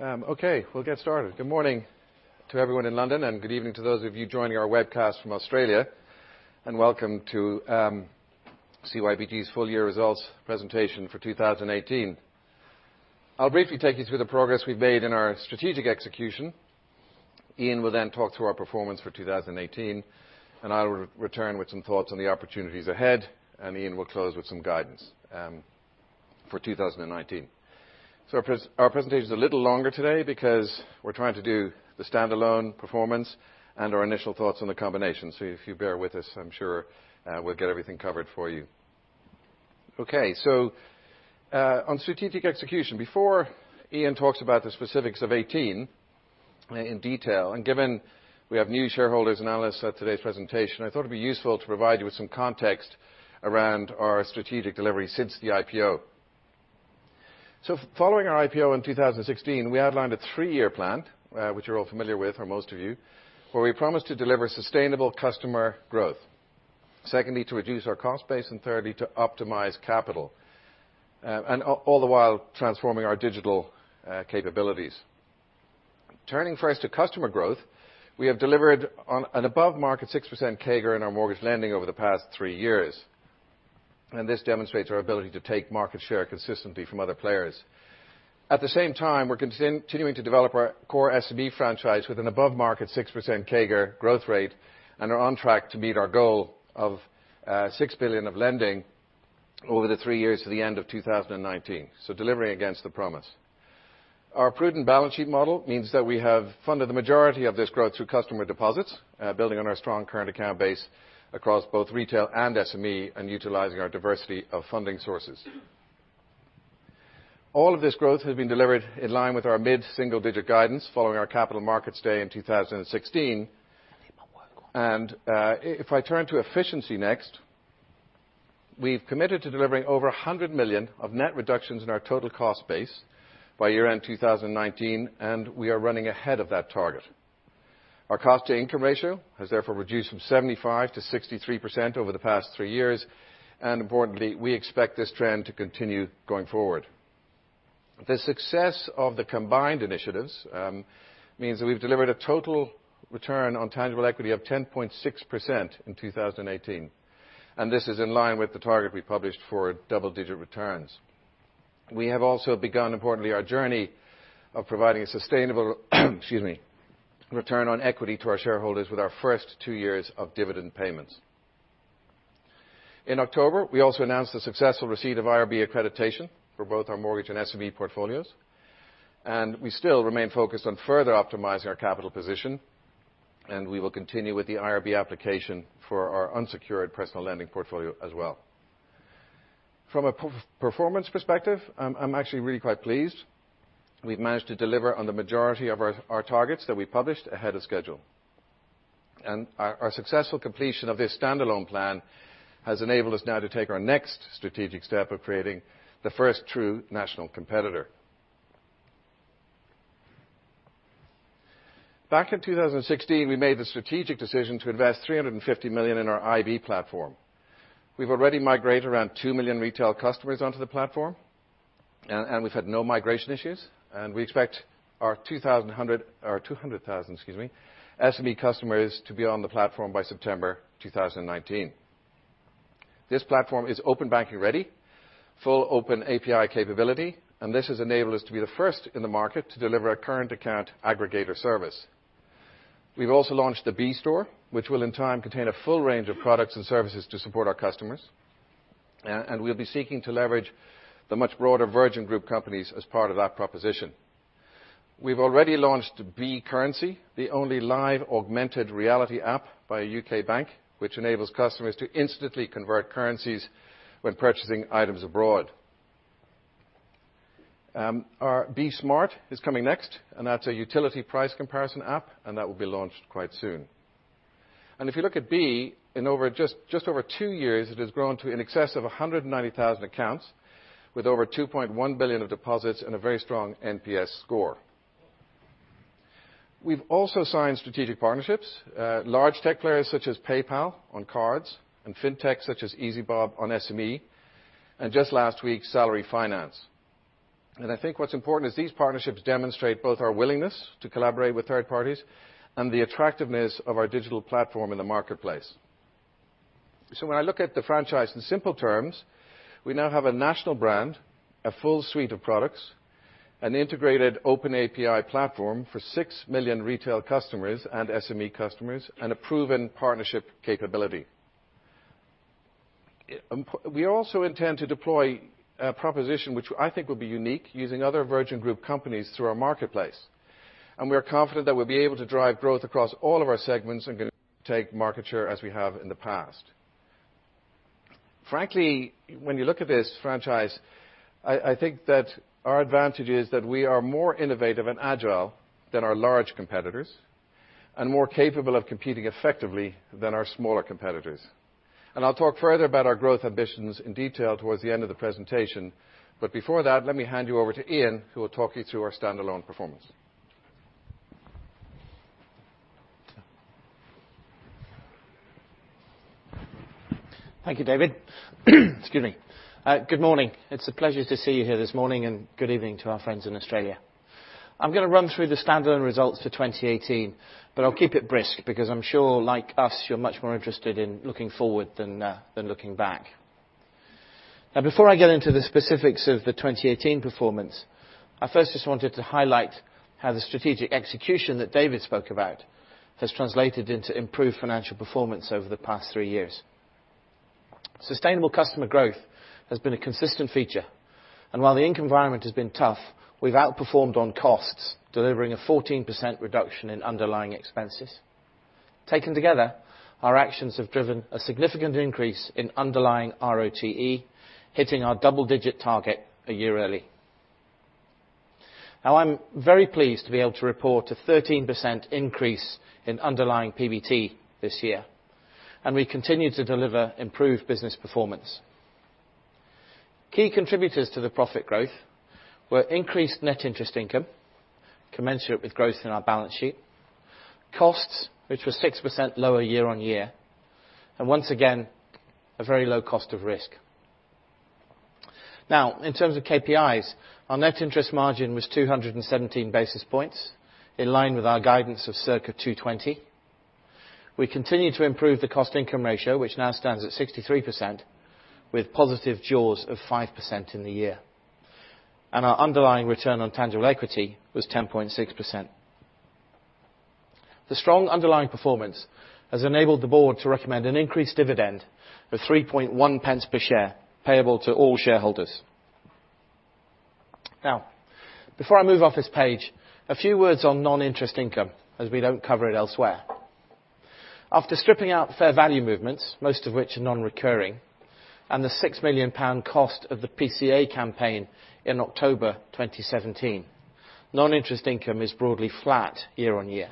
Okay, we'll get started. Good morning to everyone in London, and good evening to those of you joining our webcast from Australia. Welcome to CYBG's Full Year Results Presentation for 2018. I'll briefly take you through the progress we've made in our strategic execution. Ian will then talk through our performance for 2018. I will return with some thoughts on the opportunities ahead. Ian will close with some guidance for 2019. Our presentation is a little longer today because we're trying to do the standalone performance and our initial thoughts on the combination. If you bear with us, I'm sure we'll get everything covered for you. Okay, on strategic execution, before Ian talks about the specifics of 2018 in detail. Given we have new shareholders analysts at today's presentation, I thought it'd be useful to provide you with some context around our strategic delivery since the IPO. Following our IPO in 2016, we outlined a three-year plan, which you're all familiar with, or most of you, where we promised to deliver sustainable customer growth. Secondly, to reduce our cost base. Thirdly, to optimize capital. All the while, transforming our digital capabilities. Turning first to customer growth. We have delivered on an above market 6% CAGR in our mortgage lending over the past three years. This demonstrates our ability to take market share consistently from other players. At the same time, we're continuing to develop our core SME franchise with an above market 6% CAGR growth rate and are on track to meet our goal of 6 billion of lending over the three years to the end of 2019. Delivering against the promise. Our prudent balance sheet model means that we have funded the majority of this growth through customer deposits, building on our strong current account base across both retail and SME, and utilizing our diversity of funding sources. All of this growth has been delivered in line with our mid-single digit guidance following our Capital Markets Day in 2016. If I turn to efficiency next, we've committed to delivering over 100 million of net reductions in our total cost base by year end 2019, and we are running ahead of that target. Our cost to income ratio has therefore reduced from 75%-63% over the past three years. Importantly, we expect this trend to continue going forward. The success of the combined initiatives means that we've delivered a total return on tangible equity of 10.6% in 2018. This is in line with the target we published for double-digit returns. We have also begun, importantly, our journey of providing a sustainable excuse me, return on equity to our shareholders with our first two years of dividend payments. In October, we also announced the successful receipt of IRB accreditation for both our mortgage and SME portfolios. We still remain focused on further optimizing our capital position. We will continue with the IRB application for our unsecured personal lending portfolio as well. From a performance perspective, I'm actually really quite pleased. We've managed to deliver on the majority of our targets that we published ahead of schedule. Our successful completion of this standalone plan has enabled us now to take our next strategic step of creating the first true national competitor. Back in 2016, we made the strategic decision to invest 350 million in our iB platform. We've already migrated around two million retail customers onto the platform, and we've had no migration issues, and we expect our 200,000 SME customers to be on the platform by September 2019. This platform is open banking ready, full open API capability, and this has enabled us to be the first in the market to deliver a current account aggregator service. We've also launched the B store, which will in time contain a full range of products and services to support our customers. We'll be seeking to leverage the much broader Virgin Group companies as part of that proposition. We've already launched B Currency, the only live augmented reality app by a U.K. bank, which enables customers to instantly convert currencies when purchasing items abroad. Our B Smart is coming next, and that's a utility price comparison app, and that will be launched quite soon. If you look at B, in just over two years, it has grown to in excess of 190,000 accounts with over 2.1 billion of deposits and a very strong NPS score. We've also signed strategic partnerships, large tech players such as PayPal on cards and fintech such as ezbob on SME, and just last week, Salary Finance. I think what's important is these partnerships demonstrate both our willingness to collaborate with third parties and the attractiveness of our digital platform in the marketplace. When I look at the franchise in simple terms, we now have a national brand, a full suite of products, an integrated open API platform for six million retail customers and SME customers, and a proven partnership capability. We also intend to deploy a proposition which I think will be unique using other Virgin Group companies through our marketplace. We are confident that we'll be able to drive growth across all of our segments and going to take market share as we have in the past. Frankly, when you look at this franchise, I think that our advantage is that we are more innovative and agile than our large competitors and more capable of competing effectively than our smaller competitors. I'll talk further about our growth ambitions in detail towards the end of the presentation. Before that, let me hand you over to Ian who will talk you through our standalone performance. Thank you, David. Excuse me. Good morning. It's a pleasure to see you here this morning, and good evening to our friends in Australia. I'm going to run through the standalone results for 2018. I'll keep it brisk because I'm sure, like us, you're much more interested in looking forward than looking back. Before I get into the specifics of the 2018 performance, I first just wanted to highlight how the strategic execution that David spoke about has translated into improved financial performance over the past three years. Sustainable customer growth has been a consistent feature. While the income environment has been tough, we've outperformed on costs, delivering a 14% reduction in underlying expenses. Taken together, our actions have driven a significant increase in underlying ROTE, hitting our double-digit target a year early. I'm very pleased to be able to report a 13% increase in underlying PBT this year. We continue to deliver improved business performance. Key contributors to the profit growth were increased net interest income commensurate with growth in our balance sheet, costs, which were 6% lower year-on-year, and once again, a very low cost of risk. In terms of KPIs, our net interest margin was 217 basis points, in line with our guidance of circa 220. We continue to improve the cost-income ratio, which now stands at 63%, with positive jaws of 5% in the year. Our underlying return on tangible equity was 10.6%. The strong underlying performance has enabled the board to recommend an increased dividend of 0.031 per share payable to all shareholders. Before I move off this page, a few words on non-interest income, as we don't cover it elsewhere. After stripping out fair value movements, most of which are non-recurring, and the 6 million pound cost of the PCA campaign in October 2017, non-interest income is broadly flat year-on-year.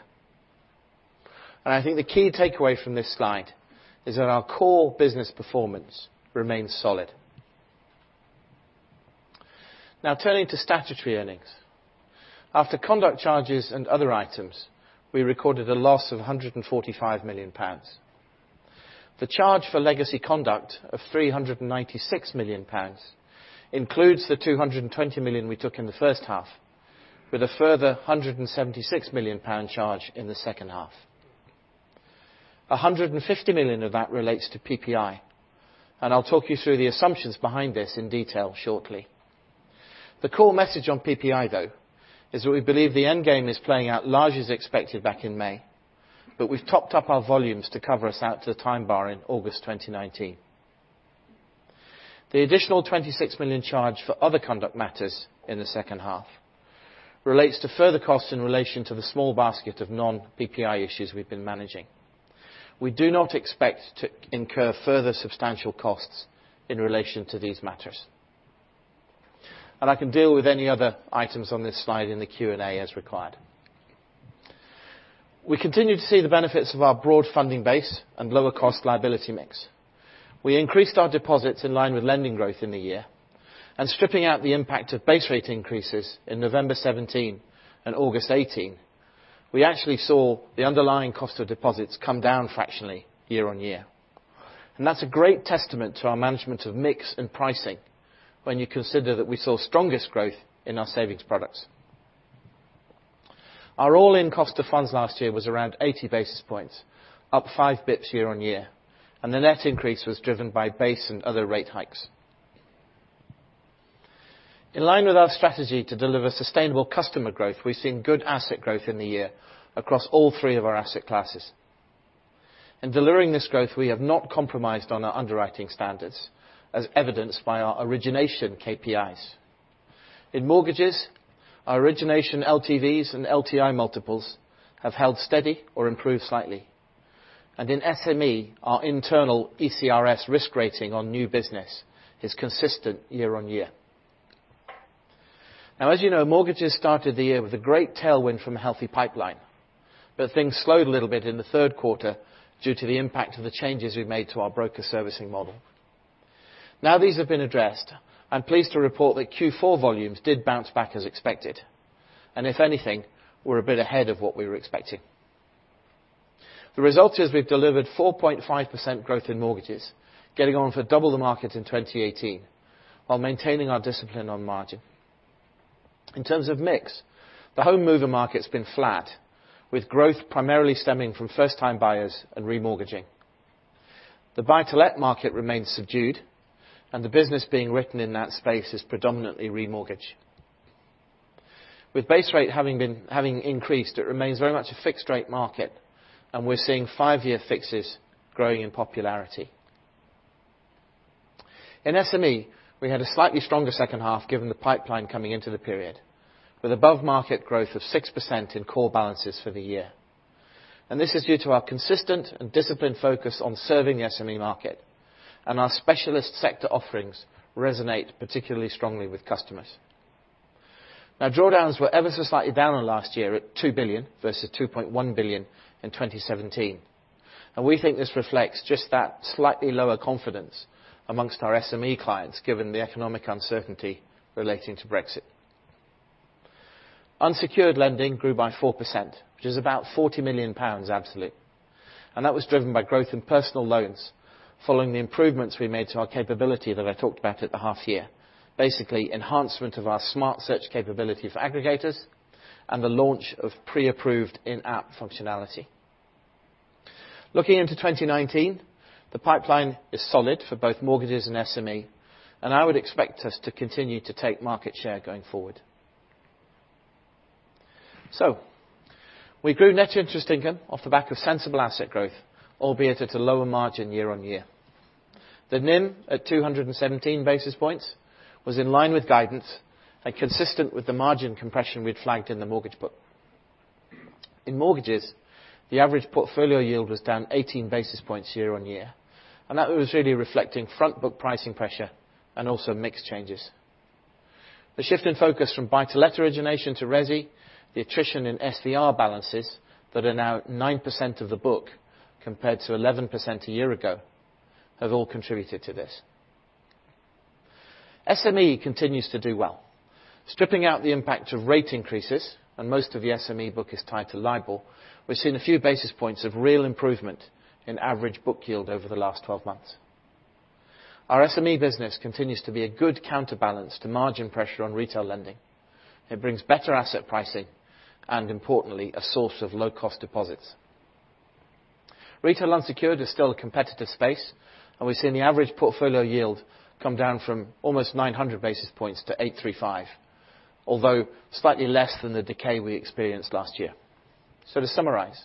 I think the key takeaway from this slide is that our core business performance remains solid. Turning to statutory earnings. After conduct charges and other items, we recorded a loss of 145 million pounds. The charge for legacy conduct of 396 million pounds includes the 220 million we took in the first half, with a further 176 million pound charge in the second half. 150 million of that relates to PPI. I'll talk you through the assumptions behind this in detail shortly. The core message on PPI, though, is that we believe the end game is playing out large as expected back in May. We've topped up our volumes to cover us out to the time bar in August 2019. The additional 26 million charge for other conduct matters in the second half relates to further costs in relation to the small basket of non-PPI issues we've been managing. We do not expect to incur further substantial costs in relation to these matters. I can deal with any other items on this slide in the Q&A as required. We continue to see the benefits of our broad funding base and lower cost liability mix. We increased our deposits in line with lending growth in the year, stripping out the impact of base rate increases in November 2017 and August 2018, we actually saw the underlying cost of deposits come down fractionally year-on-year. That is a great testament to our management of mix and pricing when you consider that we saw strongest growth in our savings products. Our all-in cost of funds last year was around 80 basis points, up 5 basis points year-on-year, and the net increase was driven by base and other rate hikes. In line with our strategy to deliver sustainable customer growth, we have seen good asset growth in the year across all three of our asset classes. In delivering this growth, we have not compromised on our underwriting standards, as evidenced by our origination KPIs. In mortgages, our origination LTVs and LTI multiples have held steady or improved slightly. In SME, our internal ECRs risk rating on new business is consistent year-on-year. As you know, mortgages started the year with a great tailwind from a healthy pipeline, but things slowed a little bit in the third quarter due to the impact of the changes we made to our broker servicing model. These have been addressed, I am pleased to report that Q4 volumes did bounce back as expected. If anything, we are a bit ahead of what we were expecting. The result is we have delivered 4.5% growth in mortgages, getting on for double the market in 2018, while maintaining our discipline on margin. In terms of mix, the home mover market has been flat, with growth primarily stemming from first-time buyers and remortgaging. The buy-to-let market remains subdued, and the business being written in that space is predominantly remortgage. With base rate having increased, it remains very much a fixed rate market, and we are seeing five-year fixes growing in popularity. In SME, we had a slightly stronger second half given the pipeline coming into the period, with above-market growth of 6% in core balances for the year. This is due to our consistent and disciplined focus on serving the SME market, and our specialist sector offerings resonate particularly strongly with customers. Drawdowns were ever so slightly down on last year at 2 billion versus 2.1 billion in 2017. We think this reflects just that slightly lower confidence amongst our SME clients, given the economic uncertainty relating to Brexit. Unsecured lending grew by 4%, which is about 40 million pounds absolute, and that was driven by growth in personal loans following the improvements we made to our capability that I talked about at the half year. Basically, enhancement of our smart search capability for aggregators and the launch of pre-approved in-app functionality. Looking into 2019, the pipeline is solid for both mortgages and SME, and I would expect us to continue to take market share going forward. We grew net interest income off the back of sensible asset growth, albeit at a lower margin year-on-year. The NIM at 217 basis points was in line with guidance and consistent with the margin compression we had flagged in the mortgage book. In mortgages, the average portfolio yield was down 18 basis points year-on-year, and that was really reflecting front book pricing pressure and also mix changes. The shift in focus from buy to let origination to resi, the attrition in SVR balances that are now at 9% of the book compared to 11% a year ago, have all contributed to this. SME continues to do well. Stripping out the impact of rate increases, and most of the SME book is tied to LIBOR, we've seen a few basis points of real improvement in average book yield over the last 12 months. Our SME business continues to be a good counterbalance to margin pressure on retail lending. It brings better asset pricing, and importantly, a source of low-cost deposits. Retail unsecured is still a competitive space, and we've seen the average portfolio yield come down from almost 900 basis points to 835. Although slightly less than the decay we experienced last year. To summarize,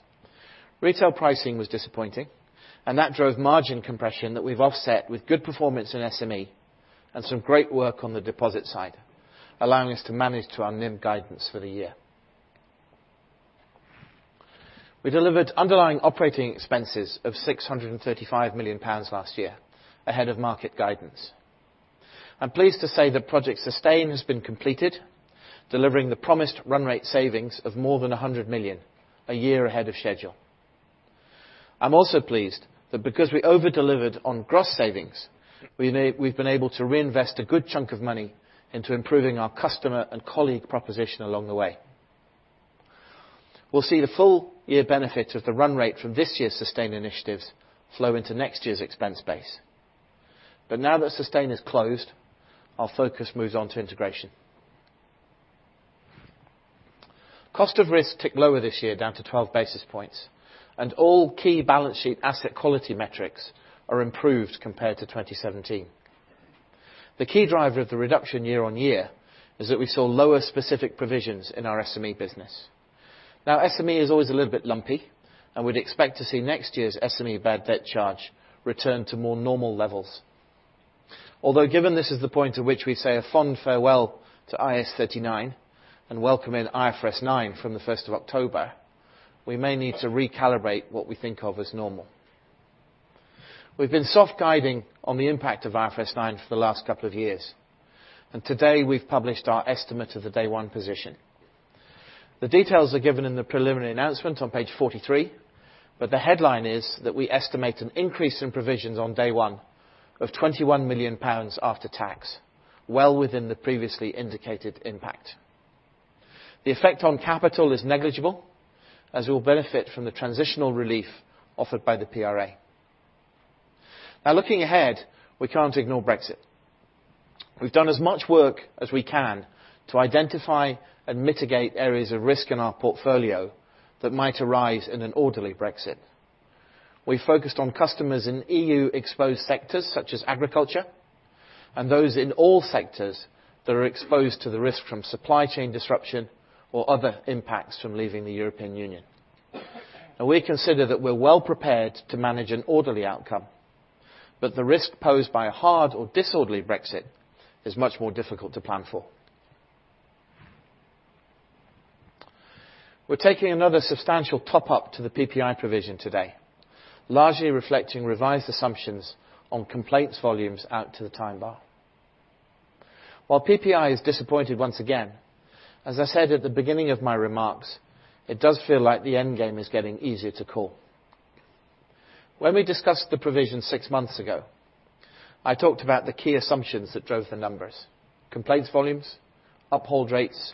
retail pricing was disappointing, and that drove margin compression that we've offset with good performance in SME and some great work on the deposit side, allowing us to manage to our NIM guidance for the year. We delivered underlying operating expenses of 635 million pounds last year ahead of market guidance. I'm pleased to say that Project Sustain has been completed, delivering the promised run rate savings of more than 100 million a year ahead of schedule. I'm also pleased that because we overdelivered on gross savings, we've been able to reinvest a good chunk of money into improving our customer and colleague proposition along the way. We'll see the full year benefit of the run rate from this year's Sustain initiatives flow into next year's expense base. Now that Sustain is closed, our focus moves on to integration. Cost of risk ticked lower this year down to 12 basis points, and all key balance sheet asset quality metrics are improved compared to 2017. The key driver of the reduction year-on-year is that we saw lower specific provisions in our SME business. Now, SME is always a little bit lumpy, and we'd expect to see next year's SME bad debt charge return to more normal levels. Although given this is the point at which we say a fond farewell to IAS 39 and welcome in IFRS 9 from the 1st of October, we may need to recalibrate what we think of as normal. We've been soft guiding on the impact of IFRS 9 for the last couple of years. Today we've published our estimate of the day one position. The details are given in the preliminary announcement on page 43, the headline is that we estimate an increase in provisions on day one of 21 million pounds after tax well within the previously indicated impact. The effect on capital is negligible, as we'll benefit from the transitional relief offered by the PRA. Now looking ahead, we can't ignore Brexit. We've done as much work as we can to identify and mitigate areas of risk in our portfolio that might arise in an orderly Brexit. We focused on customers in EU exposed sectors such as agriculture, and those in all sectors that are exposed to the risk from supply chain disruption or other impacts from leaving the European Union. We consider that we're well prepared to manage an orderly outcome. The risk posed by a hard or disorderly Brexit is much more difficult to plan for. We're taking another substantial top-up to the PPI provision today, largely reflecting revised assumptions on complaints volumes out to the time bar. While PPI has disappointed once again, as I said at the beginning of my remarks, it does feel like the end game is getting easier to call. When we discussed the provision six months ago, I talked about the key assumptions that drove the numbers. Complaints volumes, uphold rates,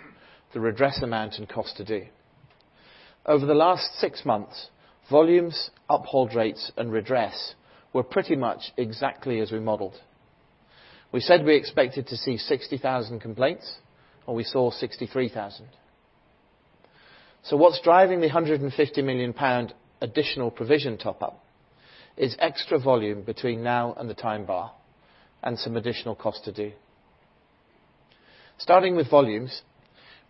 the redress amount, and cost to do. Over the last six months, volumes, uphold rates, and redress were pretty much exactly as we modeled. We said we expected to see 60,000 complaints, and we saw 63,000. What's driving the 150 million pound additional provision top-up is extra volume between now and the time bar and some additional cost to do. Starting with volumes,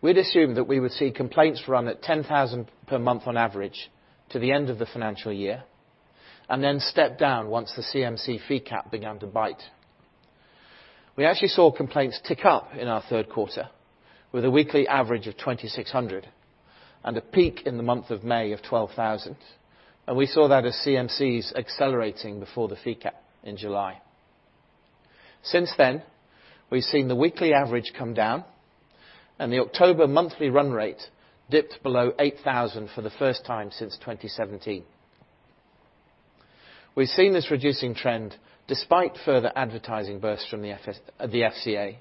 we'd assumed that we would see complaints run at 10,000 per month on average to the end of the financial year, then step down once the CMC fee cap began to bite. We actually saw complaints tick up in our third quarter with a weekly average of 2,600 and a peak in the month of May of 12,000. We saw that as CMCs accelerating before the fee cap in July. Since then, we've seen the weekly average come down, and the October monthly run rate dipped below 8,000 for the first time since 2017. We've seen this reducing trend despite further advertising bursts from the FCA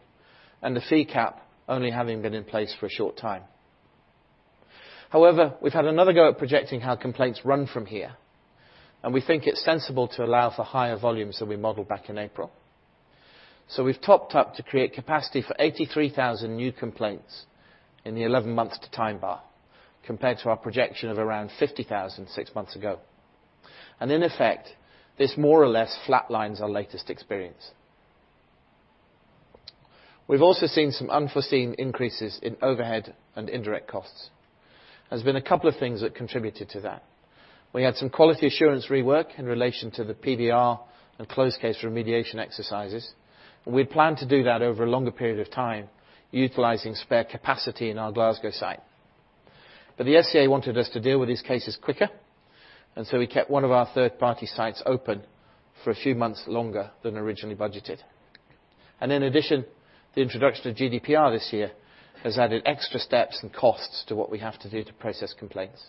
and the fee cap only having been in place for a short time. However, we've had another go at projecting how complaints run from here, we think it's sensible to allow for higher volumes than we modeled back in April. We've topped up to create capacity for 83,000 new complaints in the 11 months to time bar, compared to our projection of around 50,000 six months ago. In effect, this more or less flat lines our latest experience. We've also seen some unforeseen increases in overhead and indirect costs. There's been a couple of things that contributed to that. We had some quality assurance rework in relation to the PDR and close case remediation exercises, we had planned to do that over a longer period of time, utilizing spare capacity in our Glasgow site. The FCA wanted us to deal with these cases quicker, we kept one of our third-party sites open for a few months longer than originally budgeted. In addition, the introduction of GDPR this year has added extra steps and costs to what we have to do to process complaints.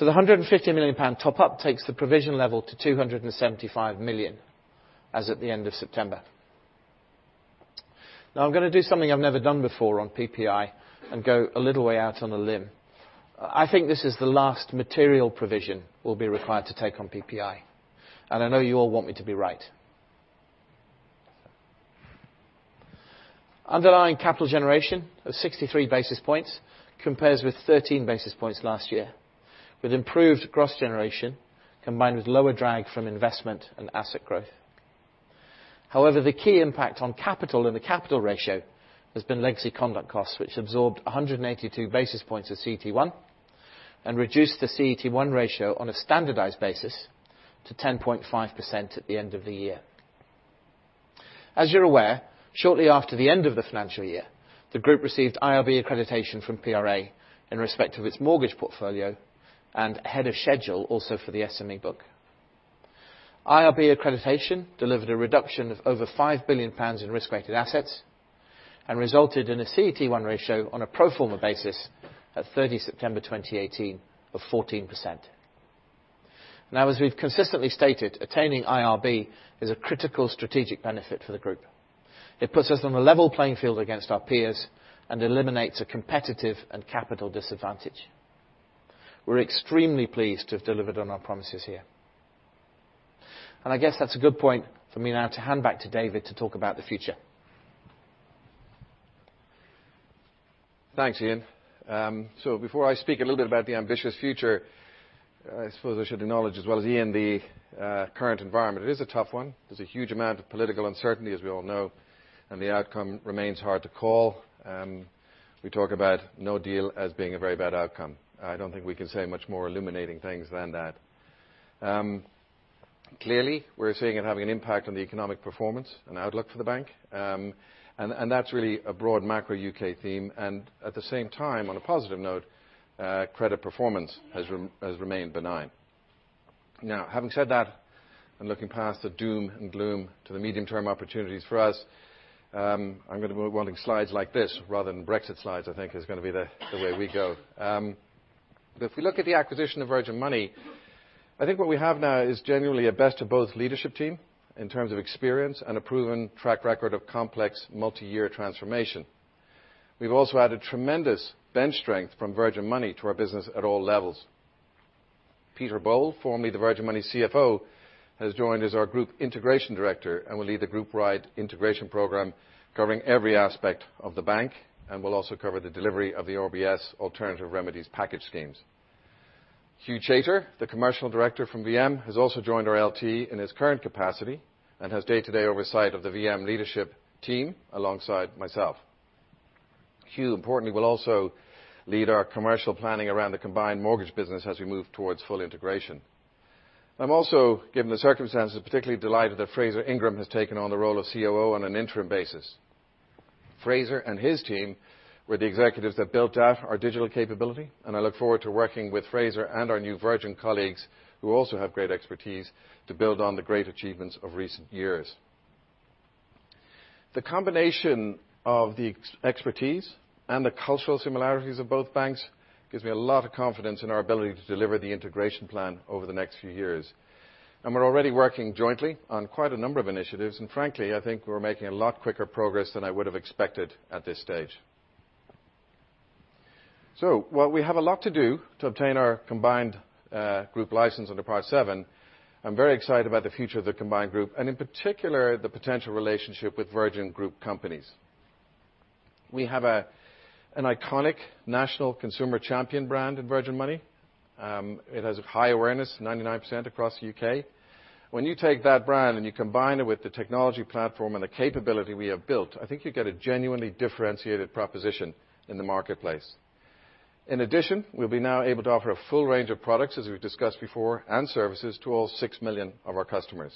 The 150 million pound top-up takes the provision level to 275 million as at the end of September. I'm going to do something I've never done before on PPI and go a little way out on a limb. I think this is the last material provision we'll be required to take on PPI, I know you all want me to be right. Underlying capital generation of 63 basis points compares with 13 basis points last year, with improved gross generation combined with lower drag from investment and asset growth. However, the key impact on capital and the capital ratio has been legacy conduct costs, which absorbed 182 basis points of CET1 and reduced the CET1 ratio on a standardized basis to 10.5% at the end of the year. As you're aware, shortly after the end of the financial year, the Group received IRB accreditation from PRA in respect of its mortgage portfolio and ahead of schedule also for the SME book. IRB accreditation delivered a reduction of over 5 billion pounds in risk-weighted assets and resulted in a CET1 ratio on a pro forma basis at 30 September 2018 of 14%. As we've consistently stated, attaining IRB is a critical strategic benefit for the Group. It puts us on a level playing field against our peers and eliminates a competitive and capital disadvantage. We're extremely pleased to have delivered on our promises here. I guess that's a good point for me now to hand back to David to talk about the future. Thanks, Ian. Before I speak a little bit about the ambitious future, I suppose I should acknowledge as well as Ian, the current environment. It is a tough one. There's a huge amount of political uncertainty, as we all know, and the outcome remains hard to call. We talk about no deal as being a very bad outcome. I don't think we can say much more illuminating things than that. Clearly, we're seeing it having an impact on the economic performance and outlook for the bank. That's really a broad macro U.K. theme. At the same time, on a positive note, credit performance has remained benign. Having said that, and looking past the doom and gloom to the medium-term opportunities for us, I'm going to be wanting slides like this rather than Brexit slides, I think is going to be the way we go. If we look at the acquisition of Virgin Money, I think what we have now is genuinely a best of both leadership team in terms of experience and a proven track record of complex multi-year transformation. We've also added tremendous bench strength from Virgin Money to our business at all levels. Peter Bole, formerly the Virgin Money CFO, has joined as our Group Integration Director and will lead the groupwide integration program covering every aspect of the bank and will also cover the delivery of the RBS alternative remedies package schemes. Hugh Chater, the Commercial Director from VM, has also joined our LT in his current capacity and has day-to-day oversight of the VM leadership team alongside myself. Hugh importantly will also lead our commercial planning around the combined mortgage business as we move towards full integration. I'm also, given the circumstances, particularly delighted that Fraser Ingram has taken on the role of COO on an interim basis. Fraser and his team were the executives that built out our digital capability, and I look forward to working with Fraser and our new Virgin colleagues, who also have great expertise, to build on the great achievements of recent years. The combination of the expertise and the cultural similarities of both banks gives me a lot of confidence in our ability to deliver the integration plan over the next few years. We're already working jointly on quite a number of initiatives. Frankly, I think we're making a lot quicker progress than I would have expected at this stage. While we have a lot to do to obtain our combined group license under Part VII, I'm very excited about the future of the combined group, and in particular, the potential relationship with Virgin Group companies. We have an iconic national consumer champion brand in Virgin Money. It has high awareness, 99% across the U.K. When you take that brand and you combine it with the technology platform and the capability we have built, I think you get a genuinely differentiated proposition in the marketplace. In addition, we'll be now able to offer a full range of products, as we've discussed before, and services to all six million of our customers.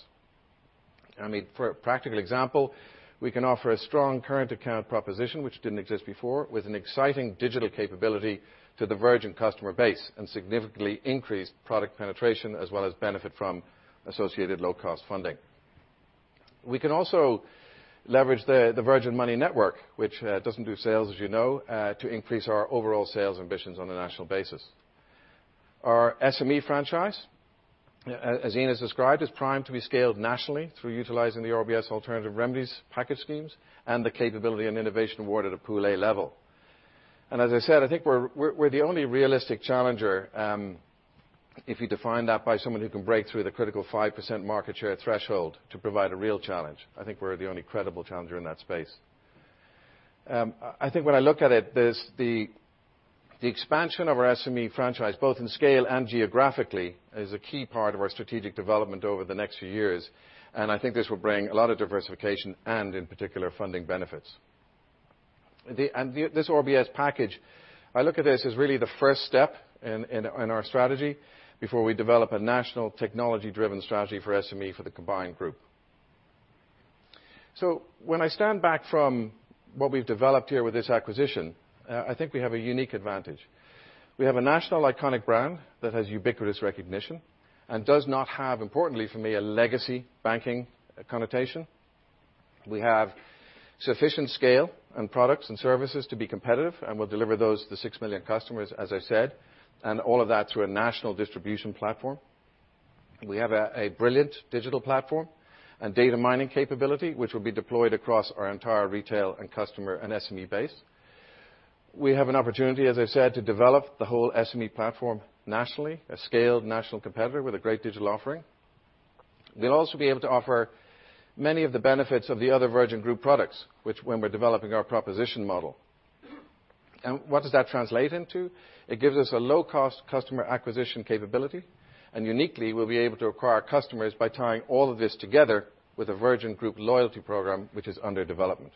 For a practical example, we can offer a strong current account proposition, which didn't exist before, with an exciting digital capability to the Virgin customer base and significantly increase product penetration as well as benefit from associated low cost funding. We can also leverage the Virgin Money network, which doesn't do sales, as you know, to increase our overall sales ambitions on a national basis. Our SME franchise, as Ian has described, is primed to be scaled nationally through utilizing the RBS alternative remedies package schemes and the capability and innovation awarded at Pool A level. As I said, I think we're the only realistic challenger, if you define that by someone who can break through the critical 5% market share threshold to provide a real challenge. I think we're the only credible challenger in that space. I think when I look at it, the expansion of our SME franchise, both in scale and geographically, is a key part of our strategic development over the next few years, and I think this will bring a lot of diversification and, in particular, funding benefits. This RBS package, I look at this as really the first step in our strategy before we develop a national technology-driven strategy for SME for the combined group. When I stand back from what we've developed here with this acquisition, I think we have a unique advantage. We have a national iconic brand that has ubiquitous recognition and does not have, importantly for me, a legacy banking connotation. We have sufficient scale and products and services to be competitive, and we'll deliver those to the six million customers, as I said, and all of that through a national distribution platform. We have a brilliant digital platform and data mining capability, which will be deployed across our entire retail and customer and SME base. We have an opportunity, as I said, to develop the whole SME platform nationally, a scaled national competitor with a great digital offering. We'll also be able to offer many of the benefits of the other Virgin Group products, which when we're developing our proposition model. What does that translate into? It gives us a low-cost customer acquisition capability, and uniquely, we'll be able to acquire customers by tying all of this together with a Virgin Group loyalty program, which is under development.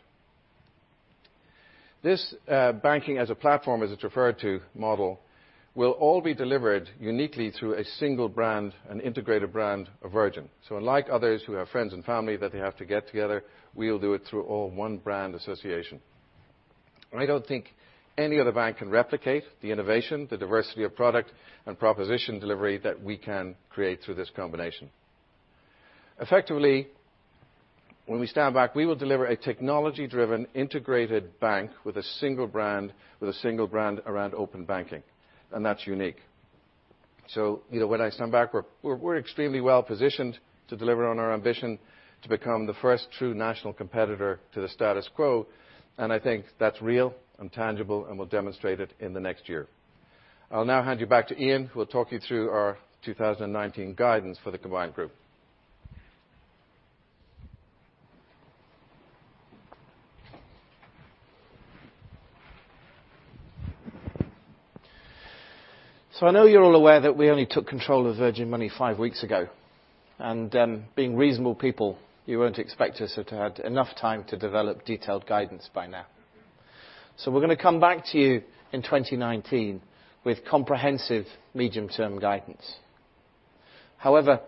This banking-as-a-platform, as it's referred to, model, will all be delivered uniquely through a single brand and integrated brand of Virgin. Unlike others who have friends and family that they have to get together, we will do it through all one brand association. I don't think any other bank can replicate the innovation, the diversity of product, and proposition delivery that we can create through this combination. Effectively, when we stand back, we will deliver a technology-driven, integrated bank with a single brand around open banking, and that's unique. When I stand back, we're extremely well positioned to deliver on our ambition to become the first true national competitor to the status quo, and I think that's real and tangible and will demonstrate it in the next year. I'll now hand you back to Ian, who will talk you through our 2019 guidance for the combined group. I know you're all aware that we only took control of Virgin Money five weeks ago. Being reasonable people, you won't expect us to have had enough time to develop detailed guidance by now. We're going to come back to you in 2019 with comprehensive medium-term guidance. However,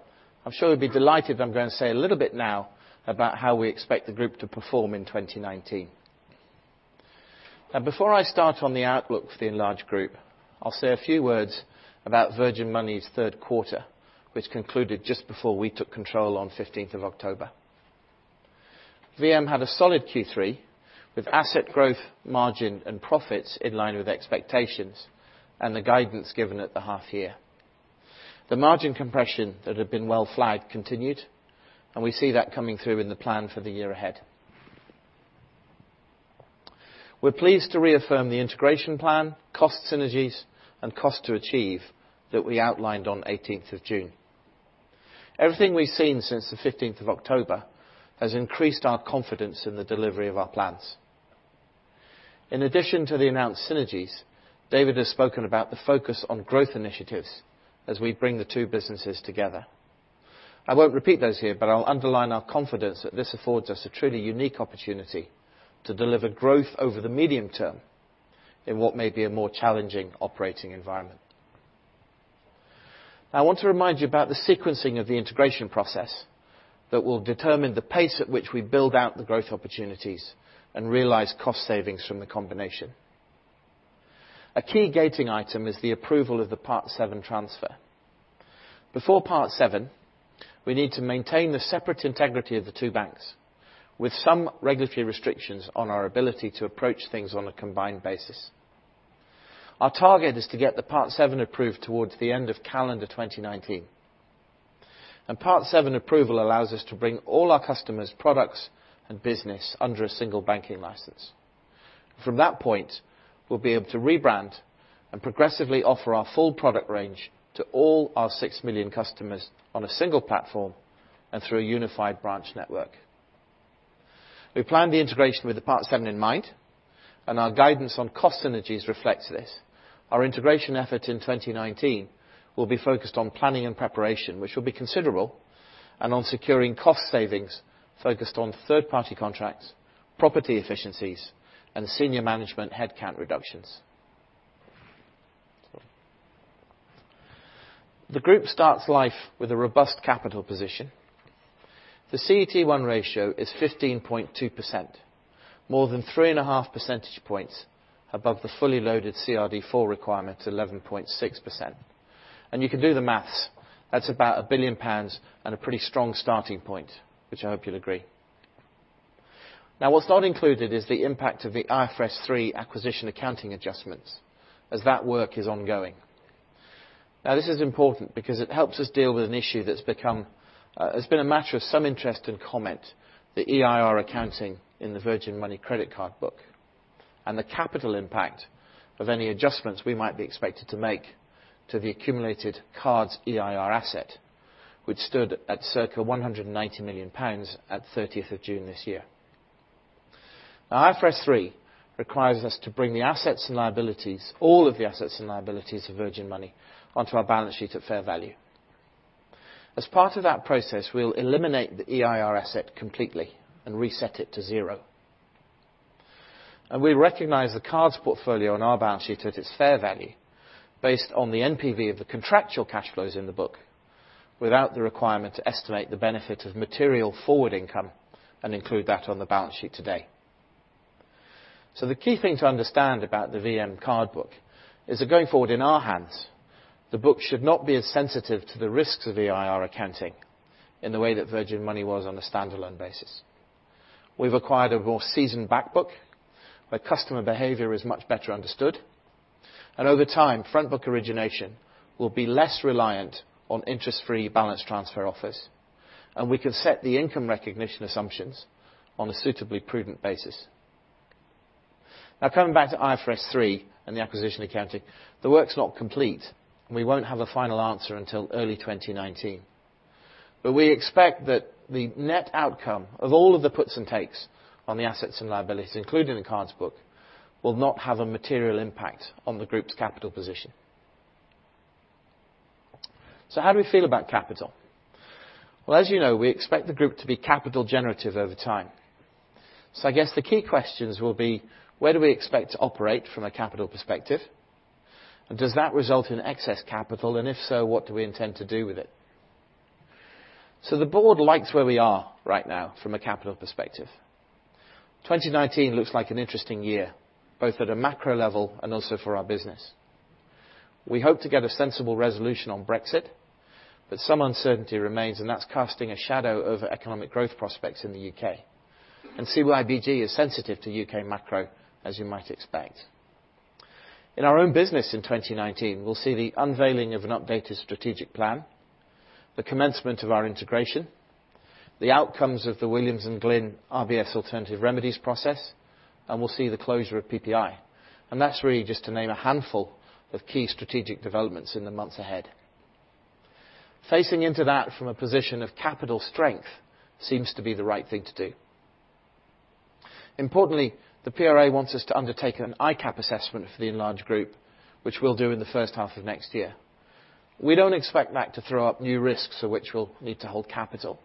I'm sure you'll be delighted I'm going to say a little bit now about how we expect the group to perform in 2019. Before I start on the outlook for the enlarged group, I'll say a few words about Virgin Money's third quarter, which concluded just before we took control on 15th of October. VM had a solid Q3, with asset growth, margin, and profits in line with expectations and the guidance given at the half year. The margin compression that had been well flagged continued, we see that coming through in the plan for the year ahead. We're pleased to reaffirm the integration plan, cost synergies, and cost to achieve that we outlined on 18th of June. Everything we've seen since the 15th of October has increased our confidence in the delivery of our plans. In addition to the announced synergies, David has spoken about the focus on growth initiatives as we bring the two businesses together. I won't repeat those here, but I'll underline our confidence that this affords us a truly unique opportunity to deliver growth over the medium term in what may be a more challenging operating environment. I want to remind you about the sequencing of the integration process that will determine the pace at which we build out the growth opportunities and realize cost savings from the combination. A key gating item is the approval of the Part VII transfer. Before Part VII, we need to maintain the separate integrity of the two banks, with some regulatory restrictions on our ability to approach things on a combined basis. Our target is to get the Part VII approved towards the end of calendar 2019. Part VII approval allows us to bring all our customers, products, and business under a single banking license. From that point, we'll be able to rebrand and progressively offer our full product range to all our six million customers on a single platform and through a unified branch network. We plan the integration with the Part VII in mind, and our guidance on cost synergies reflects this. Our integration effort in 2019 will be focused on planning and preparation, which will be considerable, and on securing cost savings focused on third-party contracts, property efficiencies, and senior management headcount reductions. The group starts life with a robust capital position. The CET1 ratio is 15.2%. More than 3.5 percentage points above the fully loaded CRD IV requirement, 11.6%. You can do the maths. That's about 1 billion pounds and a pretty strong starting point, which I hope you'll agree. What's not included is the impact of the IFRS 3 acquisition accounting adjustments, as that work is ongoing. This is important because it helps us deal with an issue that's been a matter of some interest and comment, the EIR accounting in the Virgin Money credit card book, and the capital impact of any adjustments we might be expected to make to the accumulated cards EIR asset, which stood at circa 190 million pounds at 30th of June this year. IFRS 3 requires us to bring the assets and liabilities, all of the assets and liabilities of Virgin Money, onto our balance sheet at fair value. As part of that process, we'll eliminate the EIR asset completely and reset it to zero. We recognize the cards portfolio on our balance sheet at its fair value based on the NPV of the contractual cash flows in the book without the requirement to estimate the benefit of material forward income and include that on the balance sheet today. So the key thing to understand about the VM card book is that going forward in our hands, the book should not be as sensitive to the risks of EIR accounting in the way that Virgin Money was on a standalone basis. We've acquired a more seasoned back book, where customer behavior is much better understood. And over time, front book origination will be less reliant on interest free balance transfer offers, and we can set the income recognition assumptions on a suitably prudent basis. Coming back to IFRS 3 and the acquisition accounting, the work's not complete. We won't have a final answer until early 2019. We expect that the net outcome of all of the puts and takes on the assets and liabilities, including the cards book, will not have a material impact on the group's capital position. How do we feel about capital? As you know, we expect the group to be capital generative over time. I guess the key questions will be, where do we expect to operate from a capital perspective? Does that result in excess capital? If so, what do we intend to do with it? The Board likes where we are right now from a capital perspective. 2019 looks like an interesting year, both at a macro level and also for our business. We hope to get a sensible resolution on Brexit, some uncertainty remains, and that's casting a shadow over economic growth prospects in the U.K. CYBG is sensitive to U.K. macro, as you might expect. In our own business in 2019, we'll see the unveiling of an updated strategic plan, the commencement of our integration, the outcomes of the Williams & Glyn RBS alternative remedies process, and we'll see the closure of PPI. That's really just to name a handful of key strategic developments in the months ahead. Facing into that from a position of capital strength seems to be the right thing to do. Importantly, the PRA wants us to undertake an ICAAP assessment for the enlarged group, which we'll do in the first half of next year. We don't expect that to throw up new risks for which we'll need to hold capital,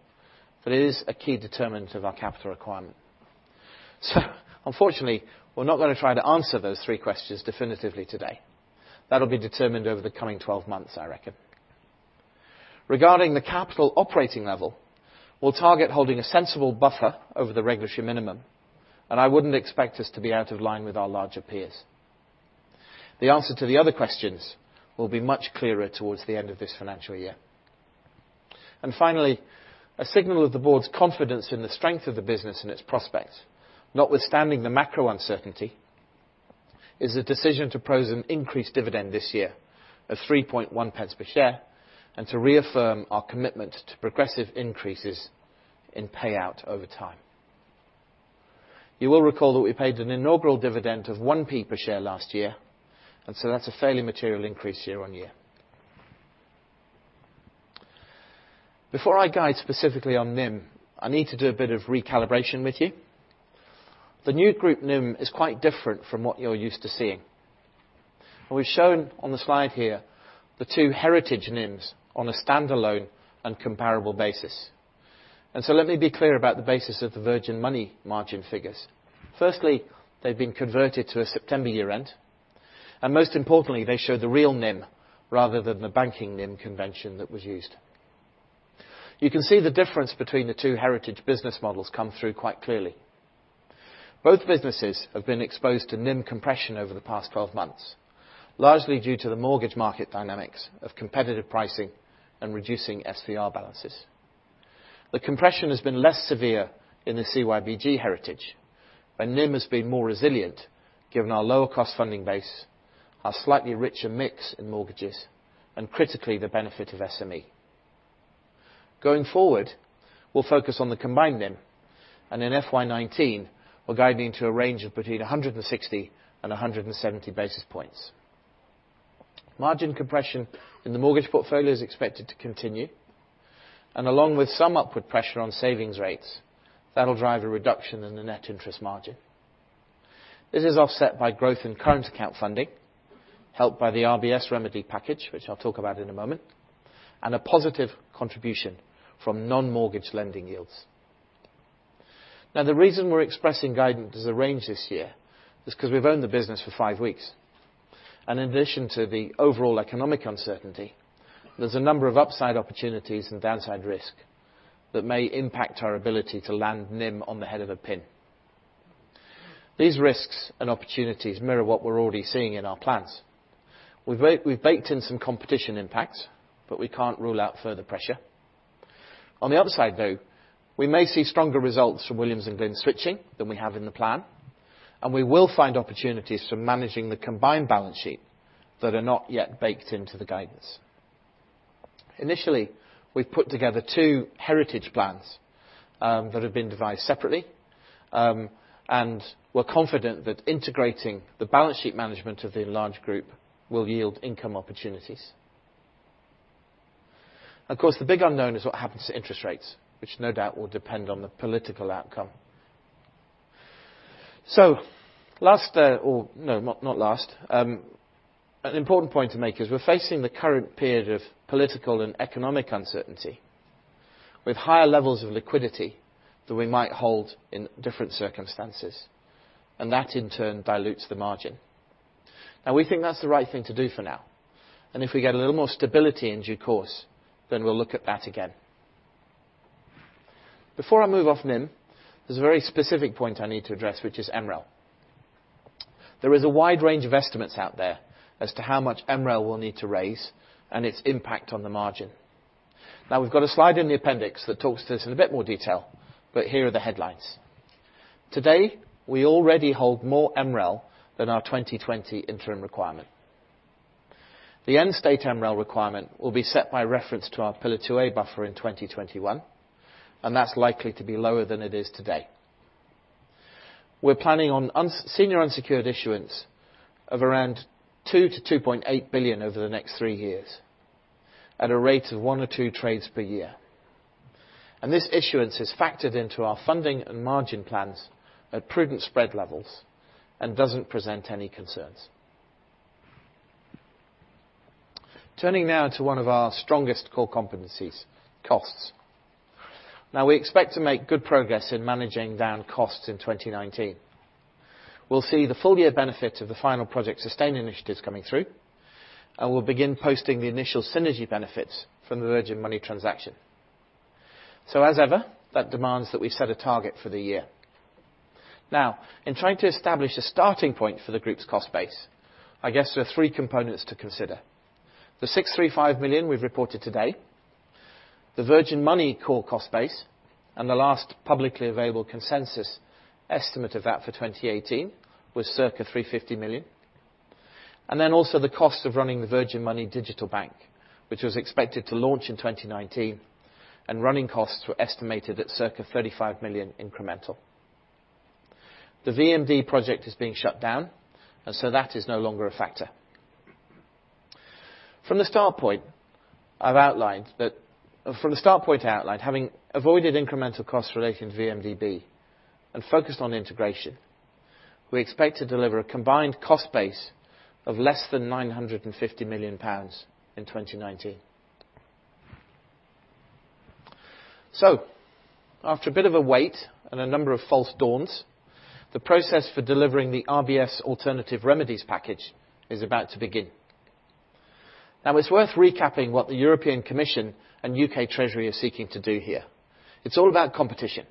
it is a key determinant of our capital requirement. Unfortunately, we're not going to try to answer those three questions definitively today. That'll be determined over the coming 12 months, I reckon. Regarding the capital operating level, we'll target holding a sensible buffer over the regulatory minimum, and I wouldn't expect us to be out of line with our larger peers. The answer to the other questions will be much clearer towards the end of this financial year. Finally, a signal of the Board's confidence in the strength of the business and its prospects, notwithstanding the macro uncertainty, is the decision to propose an increased dividend this year of 0.031 per share, and to reaffirm our commitment to progressive increases in payout over time. You will recall that we paid an inaugural dividend of 0.01 per share last year, that's a fairly material increase year-on-year. Before I guide specifically on NIM, I need to do a bit of recalibration with you. The new group NIM is quite different from what you're used to seeing. We've shown on the slide here the two heritage NIMs on a standalone and comparable basis. Let me be clear about the basis of the Virgin Money margin figures. Firstly, they've been converted to a September year end. Most importantly, they show the real NIM rather than the banking NIM convention that was used. You can see the difference between the two heritage business models come through quite clearly. Both businesses have been exposed to NIM compression over the past 12 months, largely due to the mortgage market dynamics of competitive pricing and reducing SVR balances. The compression has been less severe in the CYBG heritage, and NIM has been more resilient given our lower cost funding base, our slightly richer mix in mortgages, and critically, the benefit of SME. Going forward, we'll focus on the combined NIM, and in FY 2019, we're guiding to a range of between 160 and 170 basis points. Margin compression in the mortgage portfolio is expected to continue, and along with some upward pressure on savings rates, that'll drive a reduction in the net interest margin. This is offset by growth in current account funding, helped by the RBS remedy package, which I'll talk about in a moment, and a positive contribution from non-mortgage lending yields. The reason we're expressing guidance as a range this year is because we've owned the business for five weeks. In addition to the overall economic uncertainty, there's a number of upside opportunities and downside risk that may impact our ability to land NIM on the head of a pin. These risks and opportunities mirror what we're already seeing in our plans. We've baked in some competition impacts, but we can't rule out further pressure. On the upside, though, we may see stronger results from Williams & Glyn switching than we have in the plan, and we will find opportunities from managing the combined balance sheet that are not yet baked into the guidance. Initially, we've put together two heritage plans that have been devised separately, and we're confident that integrating the balance sheet management of the large group will yield income opportunities. Of course, the big unknown is what happens to interest rates, which no doubt will depend on the political outcome. Last, or no, not last. An important point to make is we're facing the current period of political and economic uncertainty with higher levels of liquidity than we might hold in different circumstances. And that in turn dilutes the margin. We think that's the right thing to do for now. And if we get a little more stability in due course, then we'll look at that again. Before I move off NIM, there's a very specific point I need to address, which is MREL. There is a wide range of estimates out there as to how much MREL will need to raise and its impact on the margin. We've got a slide in the appendix that talks to this in a bit more detail, but here are the headlines. Today, we already hold more MREL than our 2020 interim requirement. The end state MREL requirement will be set by reference to our Pillar 2A buffer in 2021, and that's likely to be lower than it is today. We're planning on senior unsecured issuance of around 2 billion-2.8 billion over the next three years at a rate of one or two trades per year. And this issuance is factored into our funding and margin plans at prudent spread levels and doesn't present any concerns. Turning now to one of our strongest core competencies, costs. We expect to make good progress in managing down costs in 2019. We'll see the full year benefit of the final Project Sustain initiatives coming through, and we'll begin posting the initial synergy benefits from the Virgin Money transaction. As ever, that demands that we set a target for the year. In trying to establish a starting point for the group's cost base, I guess there are three components to consider. The 635 million we've reported today, the Virgin Money core cost base, and the last publicly available consensus estimate of that for 2018 was circa 350 million. Also the cost of running the Virgin Money Digital Bank, which was expected to launch in 2019, and running costs were estimated at circa 35 million incremental. The VMD project is being shut down, that is no longer a factor. From the start point outlined, having avoided incremental costs relating to VMDB and focused on integration, we expect to deliver a combined cost base of less than 950 million pounds in 2019. After a bit of a wait and a number of false dawns, the process for delivering the RBS alternative remedies package is about to begin. It's worth recapping what the European Commission and U.K. Treasury are seeking to do here. It's all about competition,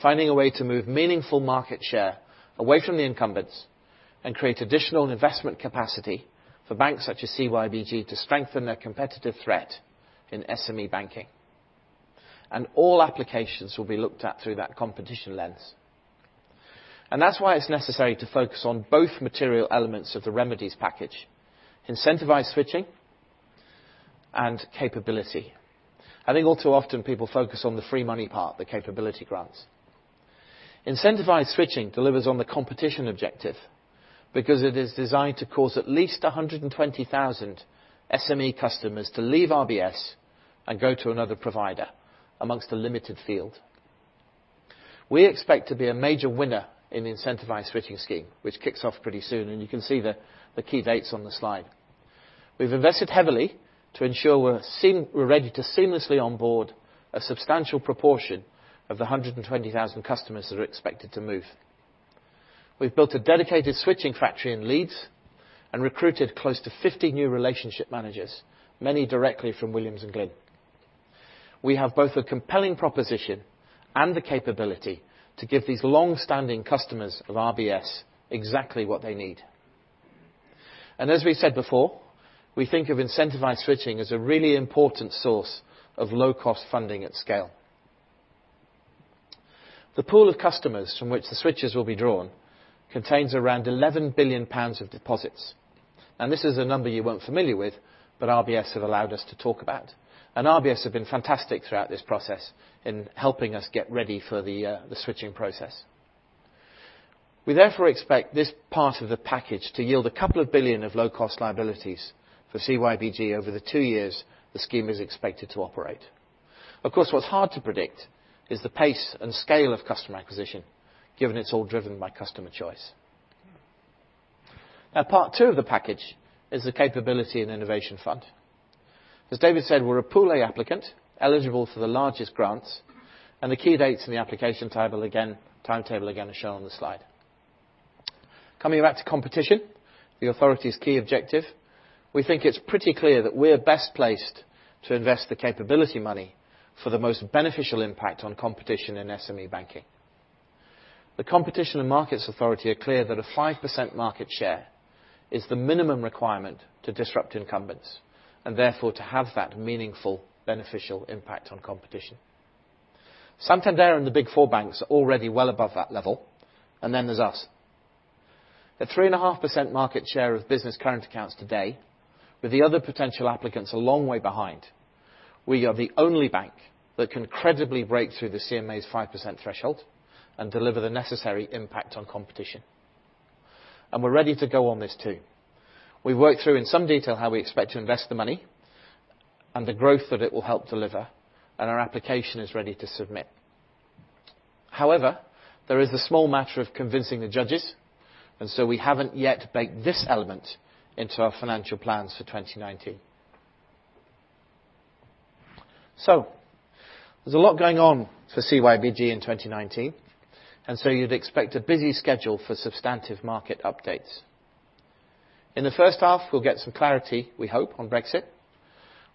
finding a way to move meaningful market share away from the incumbents and create additional investment capacity for banks such as CYBG to strengthen their competitive threat in SME banking. All applications will be looked at through that competition lens. That's why it's necessary to focus on both material elements of the remedies package, incentivized switching and capability. I think all too often people focus on the free money part, the capability grants. Incentivized switching delivers on the competition objective because it is designed to cause at least 120,000 SME customers to leave RBS and go to another provider amongst a limited field. We expect to be a major winner in the incentivized switching scheme, which kicks off pretty soon, and you can see the key dates on the slide. We've invested heavily to ensure we're ready to seamlessly onboard a substantial proportion of the 120,000 customers that are expected to move. We've built a dedicated switching factory in Leeds and recruited close to 50 new relationship managers, many directly from Williams & Glyn. We have both a compelling proposition and the capability to give these long-standing customers of RBS exactly what they need. As we said before, we think of incentivized switching as a really important source of low-cost funding at scale. The pool of customers from which the switches will be drawn contains around 11 billion pounds of deposits. This is a number you weren't familiar with, but RBS have allowed us to talk about. RBS have been fantastic throughout this process in helping us get ready for the switching process. We therefore expect this part of the package to yield a couple of billion of low cost liabilities for CYBG over the two years the scheme is expected to operate. Of course, what's hard to predict is the pace and scale of customer acquisition, given it's all driven by customer choice. Part two of the package is the capability and innovation fund. As David said, we're a Pool A applicant, eligible for the largest grants. The key dates in the application timetable again are shown on the slide. Coming back to competition, the authority's key objective, we think it's pretty clear that we're best placed to invest the capability money for the most beneficial impact on competition in SME banking. The Competition and Markets Authority are clear that a 5% market share is the minimum requirement to disrupt incumbents, therefore to have that meaningful, beneficial impact on competition. Santander and the Big Four banks are already well above that level. Then there's us. At 3.5% market share of business current accounts today, with the other potential applicants a long way behind, we are the only bank that can credibly break through the CMA's 5% threshold and deliver the necessary impact on competition. We're ready to go on this too. We've worked through in some detail how we expect to invest the money and the growth that it will help deliver. Our application is ready to submit. However, there is the small matter of convincing the judges, we haven't yet baked this element into our financial plans for 2019. There's a lot going on for CYBG in 2019, you'd expect a busy schedule for substantive market updates. In the first half, we'll get some clarity, we hope, on Brexit.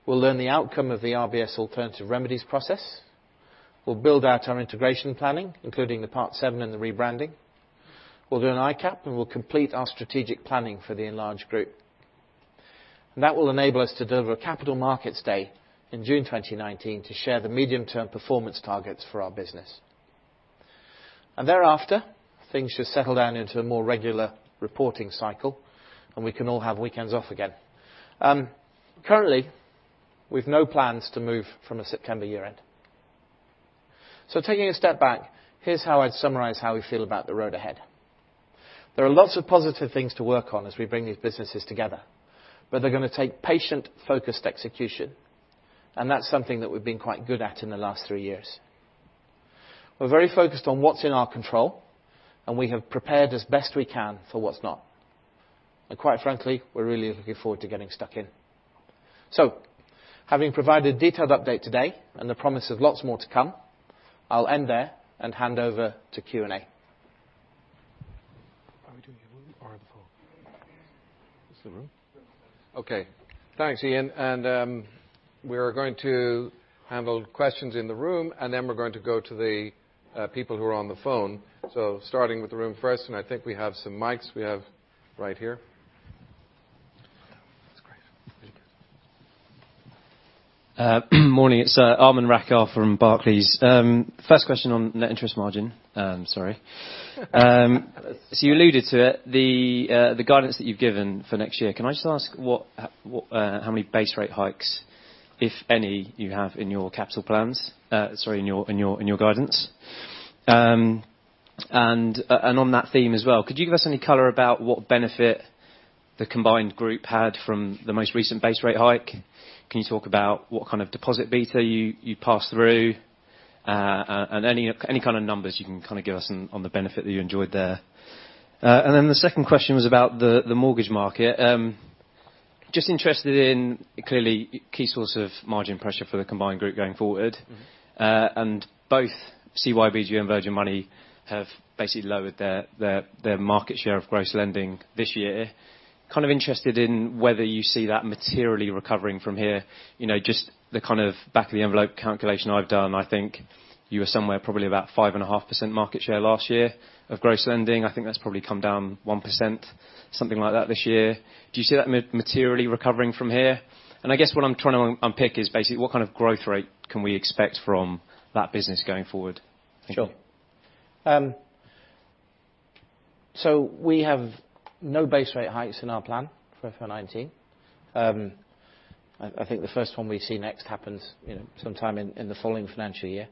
We'll learn the outcome of the RBS alternative remedies process. We'll build out our integration planning, including the Part VII and the rebranding. We'll do an ICAAP and complete our strategic planning for the enlarged group. That will enable us to deliver a Capital Markets Day in June 2019 to share the medium-term performance targets for our business. Thereafter, things should settle down into a more regular reporting cycle and we can all have weekends off again. Currently, we have no plans to move from a September year-end. Taking a step back, here's how I'd summarize how we feel about the road ahead. There are lots of positive things to work on as we bring these businesses together, they're going to take patient, focused execution, that's something that we've been quite good at in the last three years. We're very focused on what's in our control, we have prepared as best we can for what's not. Quite frankly, we're really looking forward to getting stuck in. Having provided a detailed update today and the promise of lots more to come, I'll end there and hand over to Q&A. Are we doing it in the room or on the phone? Just the room. Okay. Thanks, Ian. We are going to handle questions in the room, then we're going to go to the people who are on the phone. Starting with the room first, I think we have some mics. We have right here. That's great. Thank you. Morning. It's Aman Rakkar from Barclays. First question on net interest margin. Sorry. You alluded to it, the guidance that you've given for next year. Can I just ask how many base rate hikes, if any, you have in your capital plans? Sorry, in your guidance. On that theme as well, could you give us any color about what benefit the combined group had from the most recent base rate hike? Can you talk about what kind of deposit beta you passed through? Any kind of numbers you can give us on the benefit that you enjoyed there. Then the second question was about the mortgage market. Just interested in, clearly, key source of margin pressure for the combined group going forward. Both CYBG and Virgin Money have basically lowered their market share of gross lending this year. Kind of interested in whether you see that materially recovering from here. Just the back of the envelope calculation I've done, I think you were somewhere probably about 5.5% market share last year of gross lending. I think that's probably come down 1%, something like that this year. Do you see that materially recovering from here? I guess what I'm trying to unpick is basically what kind of growth rate can we expect from that business going forward? Thank you. Sure. We have no base rate hikes in our plan for 2019. I think the first one we see next happens sometime in the following financial year.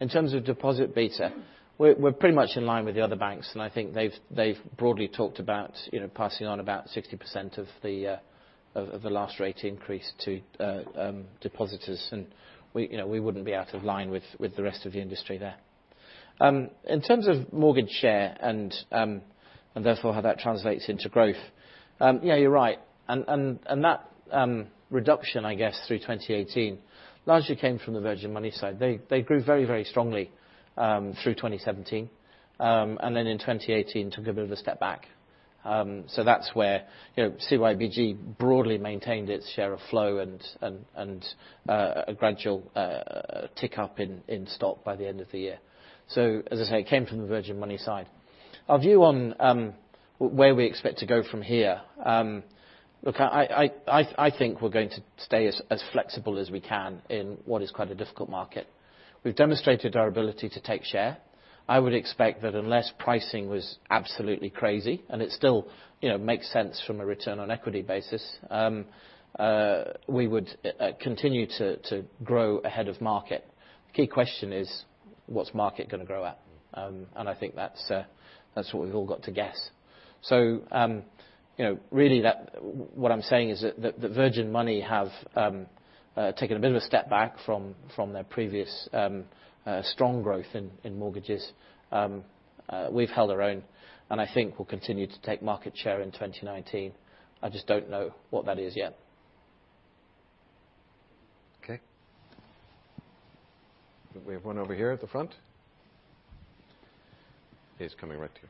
In terms of deposit beta, we're pretty much in line with the other banks, and I think they've broadly talked about passing on about 60% of the last rate increase to depositors. We wouldn't be out of line with the rest of the industry there. In terms of mortgage share and therefore how that translates into growth, yeah, you're right. That reduction, I guess, through 2018 largely came from the Virgin Money side. They grew very, very strongly through 2017, and then in 2018 took a bit of a step back. That's where CYBG broadly maintained its share of flow and a gradual tick up in stock by the end of the year. As I say, it came from the Virgin Money side. Our view on where we expect to go from here. Look, I think we're going to stay as flexible as we can in what is quite a difficult market. We've demonstrated our ability to take share. I would expect that unless pricing was absolutely crazy, and it still makes sense from a return on equity basis, we would continue to grow ahead of market. The key question is what's market going to grow at? I think that's what we've all got to guess. Really what I'm saying is that Virgin Money have taken a bit of a step back from their previous strong growth in mortgages. We've held our own, and I think we'll continue to take market share in 2019. I just don't know what that is yet. Okay. We have one over here at the front. He's coming right to you.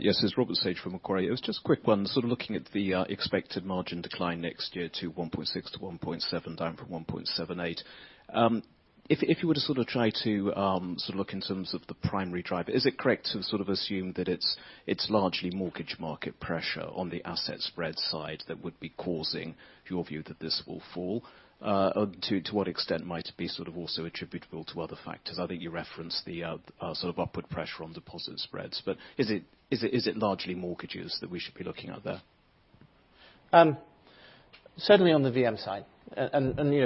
Yes, it's Robert Sage from Macquarie. It was just a quick one. Looking at the expected margin decline next year to 1.6%-1.7%, down from 1.78%. If you were to try to look in terms of the primary driver, is it correct to assume that it's largely mortgage market pressure on the asset spread side that would be causing your view that this will fall? To what extent might it be also attributable to other factors? I think you referenced the sort of upward pressure on deposit spreads. Is it largely mortgages that we should be looking at there? Certainly on the VM side. I'm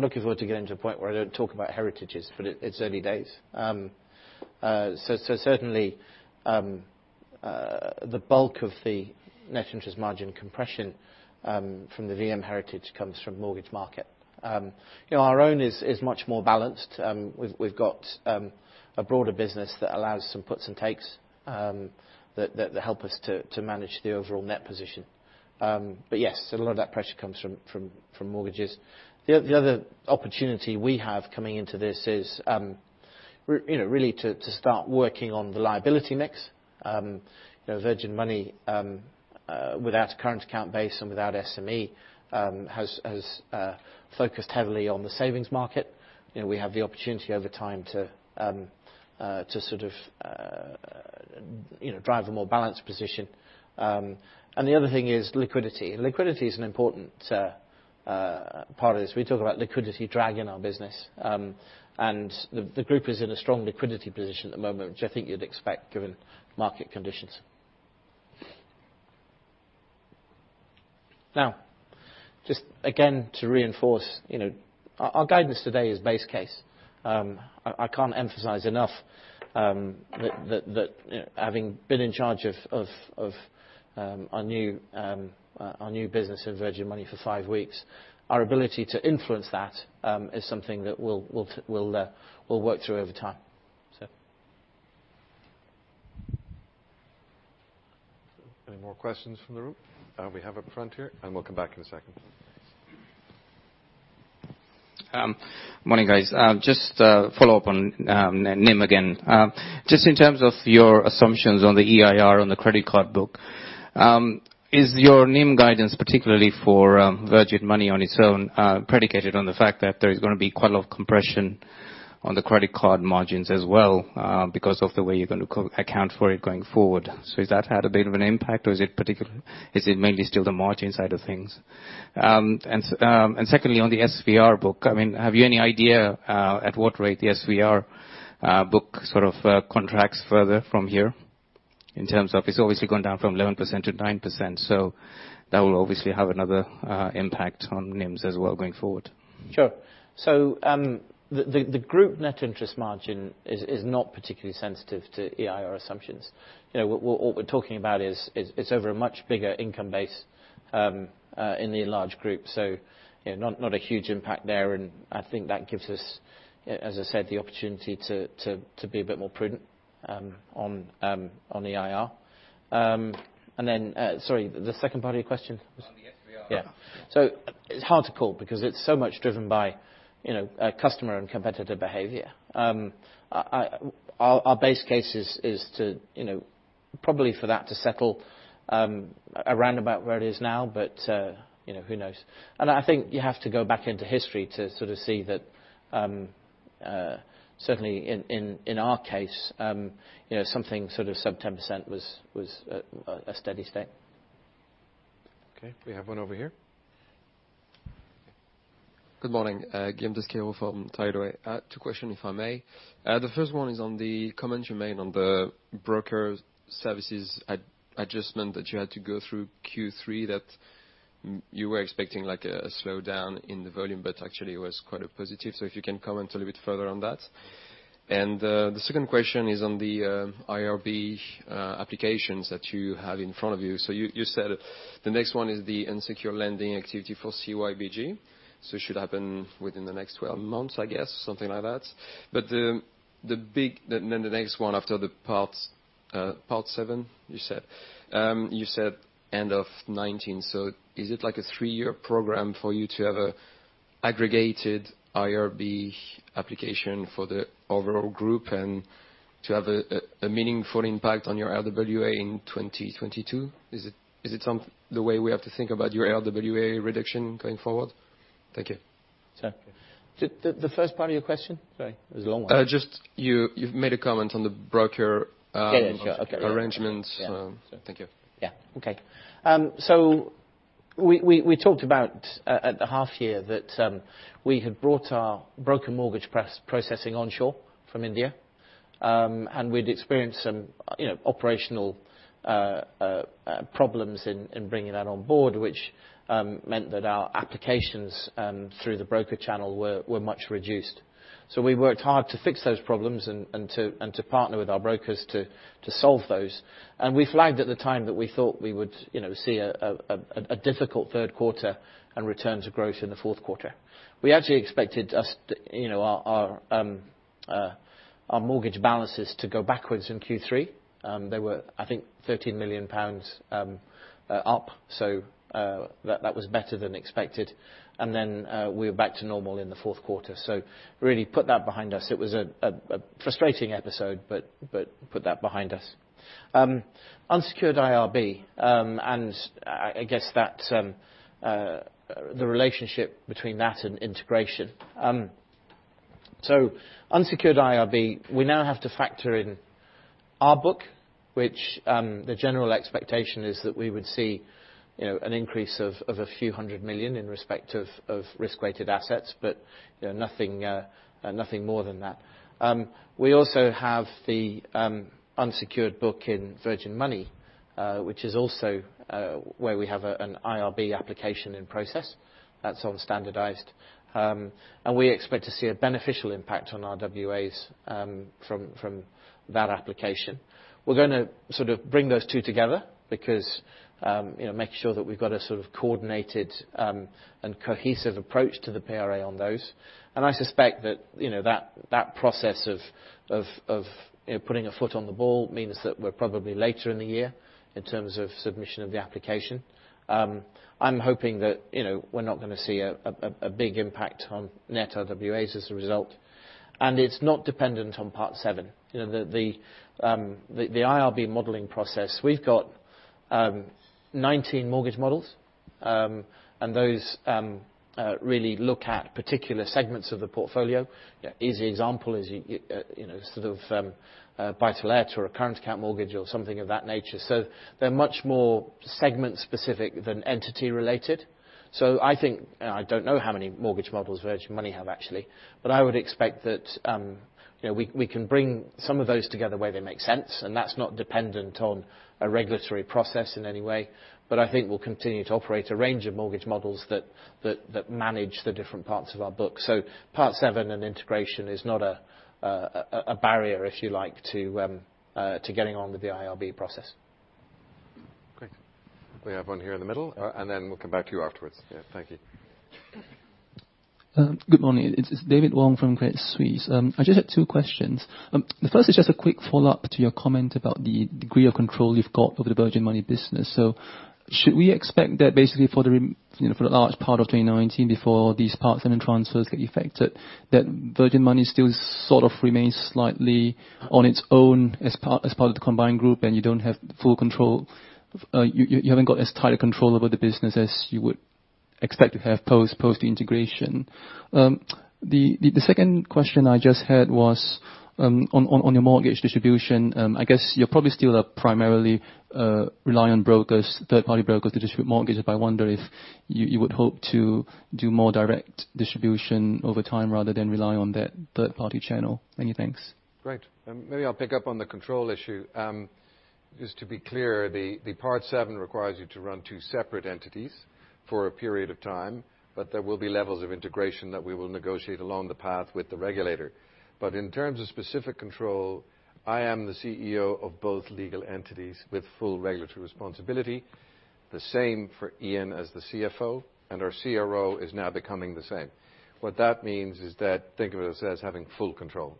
looking forward to getting to a point where I don't talk about heritages, but it's early days. Certainly, the bulk of the net interest margin compression from the VM heritage comes from mortgage market. Our own is much more balanced. We've got a broader business that allows some puts and takes that help us to manage the overall net position. Yes, a lot of that pressure comes from mortgages. The other opportunity we have coming into this is really to start working on the liability mix. Virgin Money, without a current account base and without SME, has focused heavily on the savings market. We have the opportunity over time to drive a more balanced position. The other thing is liquidity. Liquidity is an important part of this. We talk about liquidity drag in our business. The group is in a strong liquidity position at the moment, which I think you'd expect given market conditions. Just again to reinforce, our guidance today is base case. I can't emphasize enough that having been in charge of our new business in Virgin Money for five weeks, our ability to influence that is something that we'll work through over time. Any more questions from the room? We have up front here, and we'll come back in a second. Morning, guys. Just a follow-up on NIM again. Just in terms of your assumptions on the EIR on the credit card book, is your NIM guidance, particularly for Virgin Money on its own, predicated on the fact that there is going to be quite a lot of compression on the credit card margins as well because of the way you're going to account for it going forward? Has that had a bit of an impact, or is it mainly still the margin side of things? Secondly, on the SVR book, have you any idea at what rate the SVR book sort of contracts further from here in terms of it's obviously gone down from 11% to 9%, that will obviously have another impact on NIMs as well going forward. Sure. The group net interest margin is not particularly sensitive to EIR assumptions. What we're talking about is over a much bigger income base in the enlarged group. Not a huge impact there, and I think that gives us, as I said, the opportunity to be a bit more prudent on EIR. And then, sorry, the second part of your question was? On the SVR. Yeah. It's hard to call because it's so much driven by customer and competitor behavior. Our base case is probably for that to settle around about where it is now, but who knows? I think you have to go back into history to see that certainly in our case, something sort of sub 10% was a steady state. Okay, we have one over here. Good morning. Guillaume Desqueyroux from Tideway. Two question if I may. The first one is on the comments you made on the broker services adjustment that you had to go through Q3 that you were expecting like a slowdown in the volume, but actually it was quite a positive. If you can comment a little bit further on that. The second question is on the IRB applications that you have in front of you. You said the next one is the unsecured lending activity for CYBG, so it should happen within the next 12 months I guess, something like that. The next one after the Part VII, you said end of 2019. Is it like a three-year program for you to have an aggregated IRB application for the overall group and to have a meaningful impact on your RWA in 2022? Is it the way we have to think about your RWA reduction going forward? Thank you. Sure. The first part of your question? Sorry, it was a long one. Just you've made a comment on the broker- Yeah, sure. Okay. arrangement. Thank you. We talked about at the half year that we had brought our broker mortgage processing onshore from India. We'd experienced some operational problems in bringing that on board, which meant that our applications through the broker channel were much reduced. We worked hard to fix those problems and to partner with our brokers to solve those. We flagged at the time that we thought we would see a difficult third quarter. Returns are gross in the fourth quarter. We actually expected our mortgage balances to go backwards in Q3. They were, I think, 13 million pounds up, so that was better than expected. Then we were back to normal in the fourth quarter. Really put that behind us. It was a frustrating episode, but put that behind us. Unsecured IRB, and I guess the relationship between that and integration. Unsecured IRB, we now have to factor in our book, which the general expectation is that we would see an increase of a few hundred million in respect of risk-weighted assets, but nothing more than that. We also have the unsecured book in Virgin Money, which is also where we have an IRB application in process. That's on standardized. We expect to see a beneficial impact on our WAs from that application. We're going to sort of bring those two together because, make sure that we've got a sort of coordinated and cohesive approach to the PRA on those. I suspect that process of putting a foot on the ball means that we're probably later in the year in terms of submission of the application. I'm hoping that we're not going to see a big impact on net RWAs as a result. It's not dependent on Part VII. The IRB modeling process, we've got 19 mortgage models, and those really look at particular segments of the portfolio. Easy example is sort of buy to let or a current account mortgage or something of that nature. They're much more segment specific than entity related. I think, I don't know how many mortgage models Virgin Money have actually, but I would expect that we can bring some of those together where they make sense, and that's not dependent on a regulatory process in any way. I think we'll continue to operate a range of mortgage models that manage the different parts of our book. Part VII and integration is not a barrier, if you like, to getting on with the IRB process. Great. We have one here in the middle, and then we'll come back to you afterwards. Yeah, thank you. Good morning. It's David Wong from Credit Suisse. I just have two questions. The first is just a quick follow-up to your comment about the degree of control you've got over the Virgin Money business. Should we expect that basically for the large part of 2019 before these Part VII transfers get effected, that Virgin Money still sort of remains slightly on its own as part of the combined group and you don't have full control, you haven't got as tight a control over the business as you would expect to have post the integration. The second question I just had was on your mortgage distribution. I guess you probably still primarily rely on brokers, third party brokers to distribute mortgages, but I wonder if you would hope to do more direct distribution over time rather than rely on that third party channel. Many thanks. Great. Maybe I'll pick up on the control issue. Just to be clear, the Part VII requires you to run two separate entities for a period of time, but there will be levels of integration that we will negotiate along the path with the regulator. In terms of specific control, I am the CEO of both legal entities with full regulatory responsibility. The same for Ian as the CFO, and our CRO is now becoming the same. What that means is that think of us as having full control.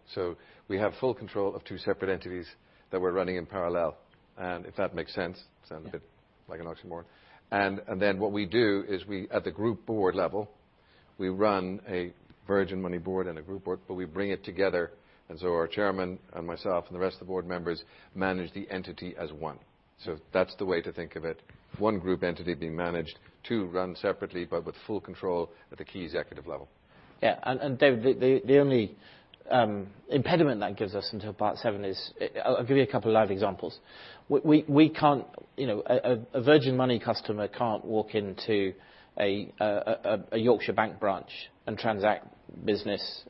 We have full control of two separate entities that we're running in parallel, and if that makes sense, sound a bit like an oxymoron. What we do is we at the group board level, we run a Virgin Money board and a group board, but we bring it together, our chairman and myself and the rest of the board members manage the entity as one. That's the way to think of it, one group entity being managed, two run separately, but with full control at the key executive level. Yeah. David, the only impediment that gives us until Part VII, I'll give you a couple of live examples. A Virgin Money customer can't walk into a Yorkshire Bank branch and transact business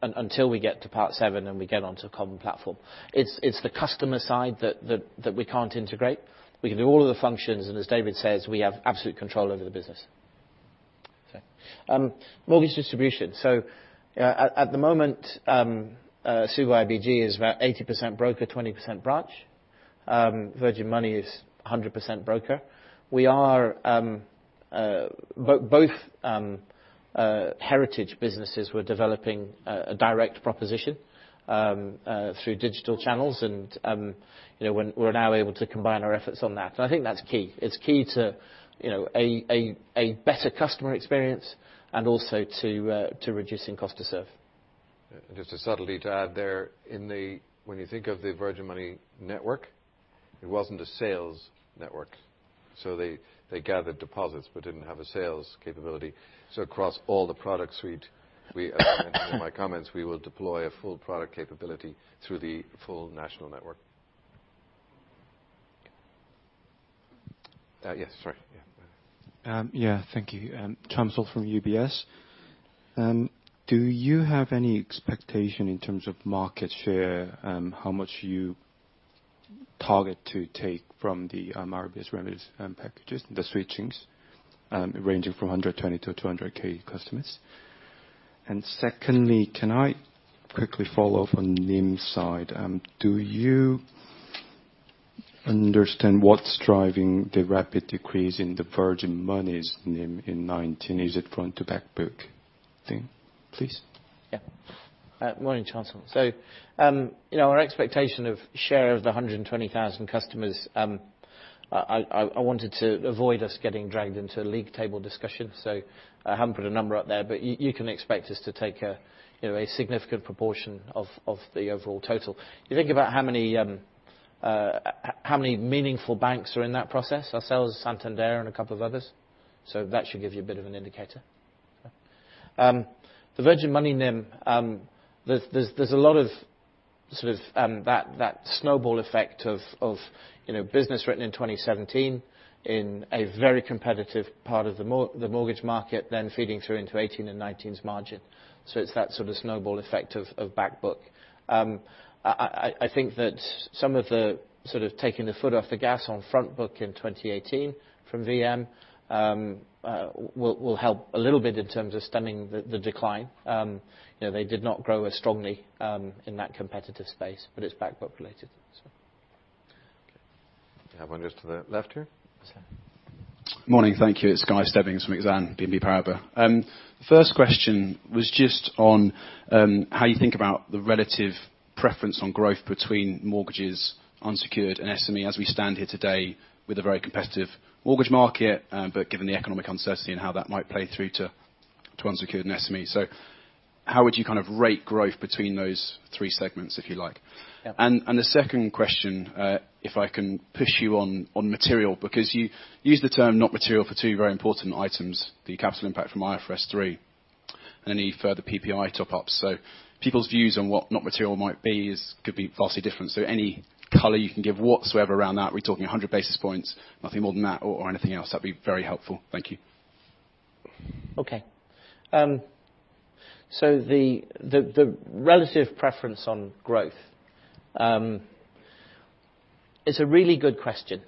until we get to Part VII and we get onto a common platform. It's the customer side that we can't integrate. We can do all of the functions, and as David says, we have absolute control over the business. Mortgage distribution. At the moment, CYBG is about 80% broker, 20% branch. Virgin Money is 100% broker. Both heritage businesses were developing a direct proposition through digital channels, and we're now able to combine our efforts on that. I think that's key. It's key to a better customer experience and also to reducing cost to serve. Just a subtlety to add there. When you think of the Virgin Money network, it wasn't a sales network. They gathered deposits but didn't have a sales capability. Across all the product suite, we as mentioned in my comments, we will deploy a full product capability through the full national network. Yes, sorry. Yeah, thank you. Chamsol from UBS. Do you have any expectation in terms of market share, how much you target to take from the RBS revenues and packages, the switchings ranging from 120,000-200,000 customers? Secondly, can I quickly follow up on NIM side? Do you understand what's driving the rapid decrease in the Virgin Money's NIM in 2019? Is it front to back book thing, please? Yeah. Morning, Chamsol. Our expectation of share of the 120,000 customers, I wanted to avoid us getting dragged into a league table discussion, I haven't put a number up there, but you can expect us to take a significant proportion of the overall total. You think about how many meaningful banks are in that process, ourselves, Santander, and a couple of others. That should give you a bit of an indicator. The Virgin Money NIM, there's a lot of sort of that snowball effect of business written in 2017 in a very competitive part of the mortgage market, then feeding through into 2018 and 2019's margin. It's that sort of snowball effect of back book. I think that some of the sort of taking the foot off the gas on front book in 2018 from VM will help a little bit in terms of stemming the decline. They did not grow as strongly in that competitive space, but it's back-book related. Okay. You have one just to the left here. Sir. Morning. Thank you. It's Guy Stebbings from Exane BNP Paribas. First question was just on how you think about the relative preference on growth between mortgages, unsecured and SME, as we stand here today with a very competitive mortgage market, but given the economic uncertainty and how that might play through to unsecured and SME. How would you kind of rate growth between those three segments, if you like? Yeah. The second question, if I can push you on material, because you use the term not material for two very important items, the capital impact from IFRS 3 and any further PPI top-ups. People's views on what not material might be could be vastly different. Any color you can give whatsoever around that, are we talking 100 basis points, nothing more than that or anything else? That'd be very helpful. Thank you. Okay. The relative preference on growth. It's a really good question.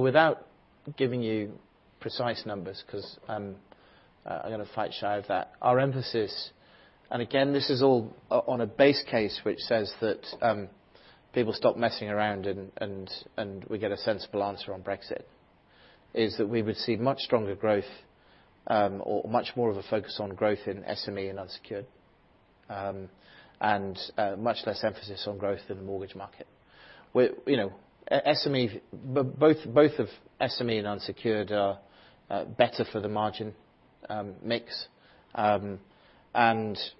Without giving you precise numbers, because I'm going to fight shy of that. Our emphasis, and again, this is all on a base case, which says that people stop messing around and we get a sensible answer on Brexit, is that we would see much stronger growth or much more of a focus on growth in SME and unsecured, and much less emphasis on growth in the mortgage market. Both of SME and unsecured are better for the margin mix.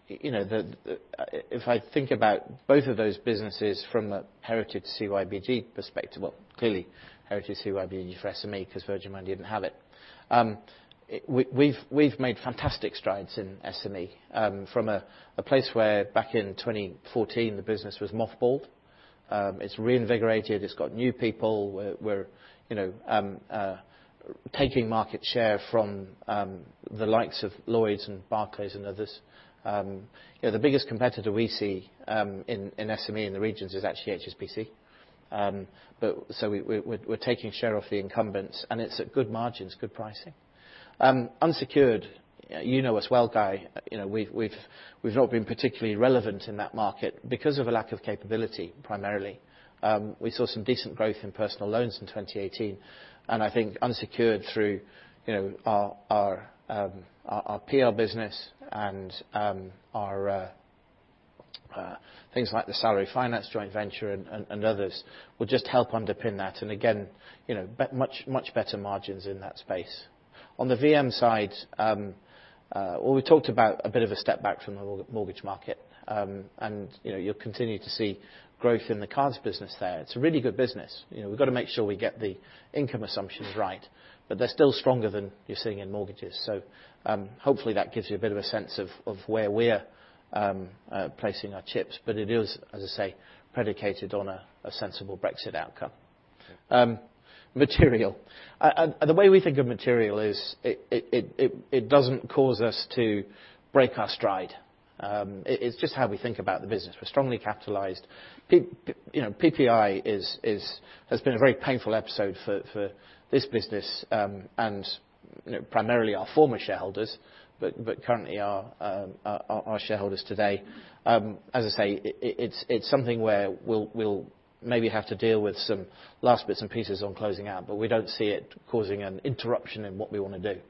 If I think about both of those businesses from a heritage CYBG perspective, well, clearly heritage CYBG for SME because Virgin Money didn't have it. We've made fantastic strides in SME from a place where back in 2014, the business was mothballed. It's reinvigorated, it's got new people. We're taking market share from the likes of Lloyds and Barclays and others. The biggest competitor we see in SME in the regions is actually HSBC. We're taking share off the incumbents, and it's at good margins, good pricing. Unsecured, you know as well, Guy, we've not been particularly relevant in that market because of a lack of capability, primarily. We saw some decent growth in personal loans in 2018, and I think unsecured through our PL business and things like the Salary Finance joint venture and others will just help underpin that. Again, much better margins in that space. On the VM side, well, we talked about a bit of a step back from the mortgage market, and you'll continue to see growth in the cards business there. It's a really good business. We've got to make sure we get the income assumptions right, but they're still stronger than you're seeing in mortgages. Hopefully that gives you a bit of a sense of where we're placing our chips. It is, as I say, predicated on a sensible Brexit outcome. Material. The way we think of material is it doesn't cause us to break our stride. It's just how we think about the business. We're strongly capitalized. PPI has been a very painful episode for this business and primarily our former shareholders, but currently our shareholders today. As I say, it's something where we'll maybe have to deal with some last bits and pieces on closing out. We don't see it causing an interruption in what we want to do.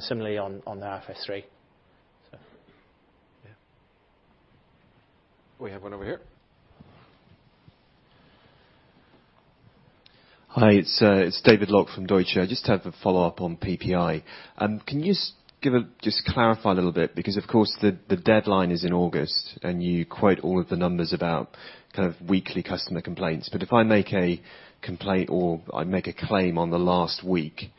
Similarly on the IFRS 3. Yeah. We have one over here. Hi, it's David Lock from Deutsche. I just have a follow-up on PPI. Can you just clarify a little bit because of course the deadline is in August and you quote all of the numbers about kind of weekly customer complaints. If I make a complaint or I make a claim on the last week,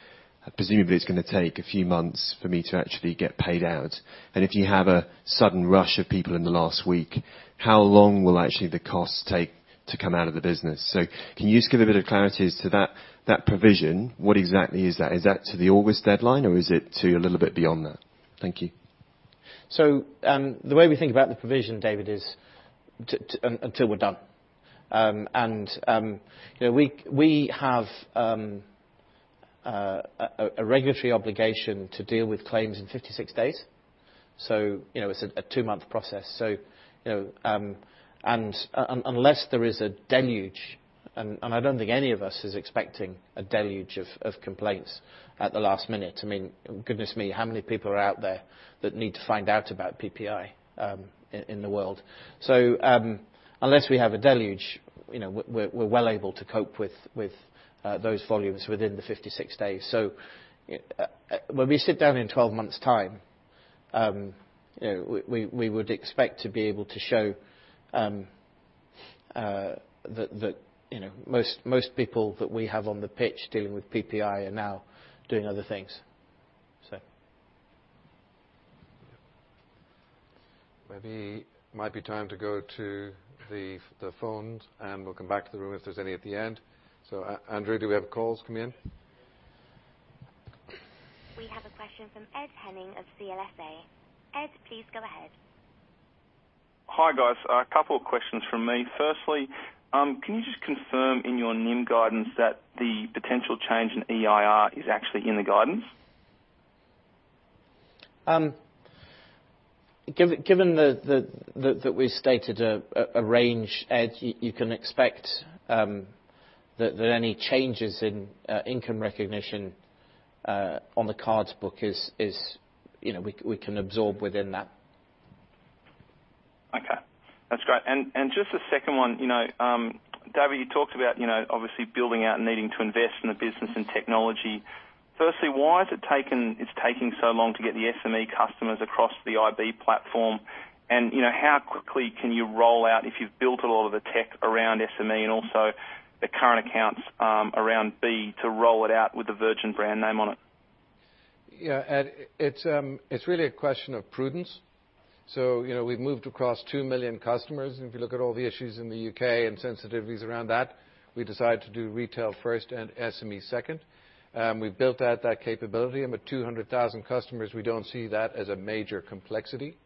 presumably it's going to take a few months for me to actually get paid out. If you have a sudden rush of people in the last week, how long will actually the cost take to come out of the business? Can you just give a bit of clarity as to that provision? What exactly is that? Is that to the August deadline or is it to a little bit beyond that? Thank you. The way we think about the provision, David, is until we're done. We have a regulatory obligation to deal with claims in 56 days. It's a two-month process. Unless there is a deluge, and I don't think any of us is expecting a deluge of complaints at the last minute. Goodness me, how many people are out there that need to find out about PPI in the world? Unless we have a deluge, we're well able to cope with those volumes within the 56 days. When we sit down in 12 months' time, we would expect to be able to show that most people that we have on the pitch dealing with PPI are now doing other things. Maybe might be time to go to the phones, and we'll come back to the room if there's any at the end. Andrew, do we have calls coming in? We have a question from Ed Henning of CLSA. Ed, please go ahead. Hi, guys. A couple of questions from me. Firstly, can you just confirm in your NIM guidance that the potential change in EIR is actually in the guidance? Given that we stated a range, Ed, you can expect that any changes in income recognition on the cards book we can absorb within that. Okay. That's great. Just the second one. David, you talked about obviously building out and needing to invest in the business and technology. Firstly, why is it taking so long to get the SME customers across the iB platform? How quickly can you roll out if you've built a lot of the tech around SME and also the current accounts around B to roll it out with the Virgin brand name on it? Yeah, Ed, it's really a question of prudence. We've moved across two million customers. If you look at all the issues in the U.K. and sensitivities around that, we decided to do retail first and SME second. We've built out that capability, with 200,000 customers we don't see that as a major complexity.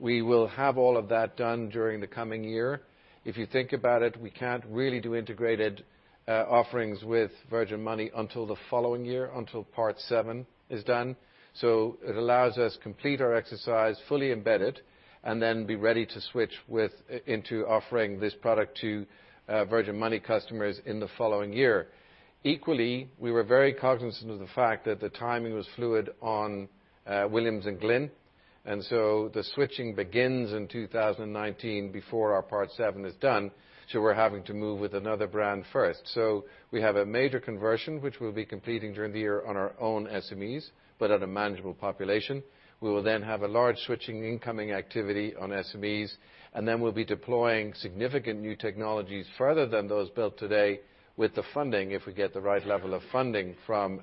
We will have all of that done during the coming year. If you think about it, we can't really do integrated offerings with Virgin Money until the following year, until Part VII is done. It allows us complete our exercise fully embedded, then be ready to switch into offering this product to Virgin Money customers in the following year. Equally, we were very cognizant of the fact that the timing was fluid on Williams & Glyn. The switching begins in 2019 before our Part VII is done, we're having to move with another brand first. We have a major conversion, which we'll be completing during the year on our own SMEs, but at a manageable population. We will have a large switching incoming activity on SMEs, and we'll be deploying significant new technologies further than those built today with the funding, if we get the right level of funding from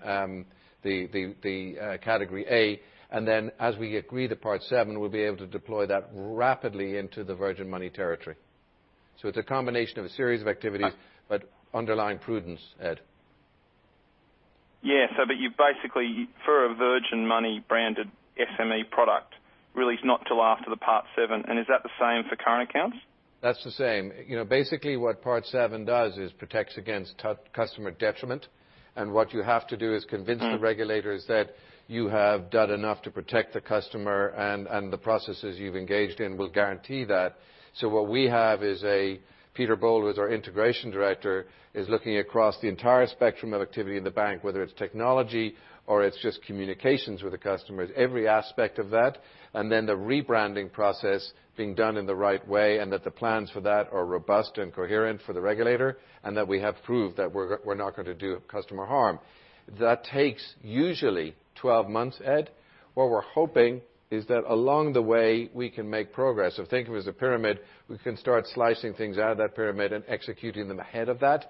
the Category A. As we agree the Part VII, we'll be able to deploy that rapidly into the Virgin Money territory. It's a combination of a series of activities, but underlying prudence, Ed. Yeah. You basically, for a Virgin Money branded SME product, really it's not till after the Part VII. Is that the same for current accounts? That's the same. Basically what Part VII does is protects against customer detriment. What you have to do is convince the regulators that you have done enough to protect the customer and the processes you've engaged in will guarantee that. What we have is Peter Bole, who's our Group Integration Director, is looking across the entire spectrum of activity in the bank, whether it's technology or it's just communications with the customers, every aspect of that. The rebranding process being done in the right way, and that the plans for that are robust and coherent for the regulator, and that we have proved that we're not going to do customer harm. That takes usually 12 months, Ed. What we're hoping is that along the way, we can make progress. Think of it as a pyramid. We can start slicing things out of that pyramid and executing them ahead of that,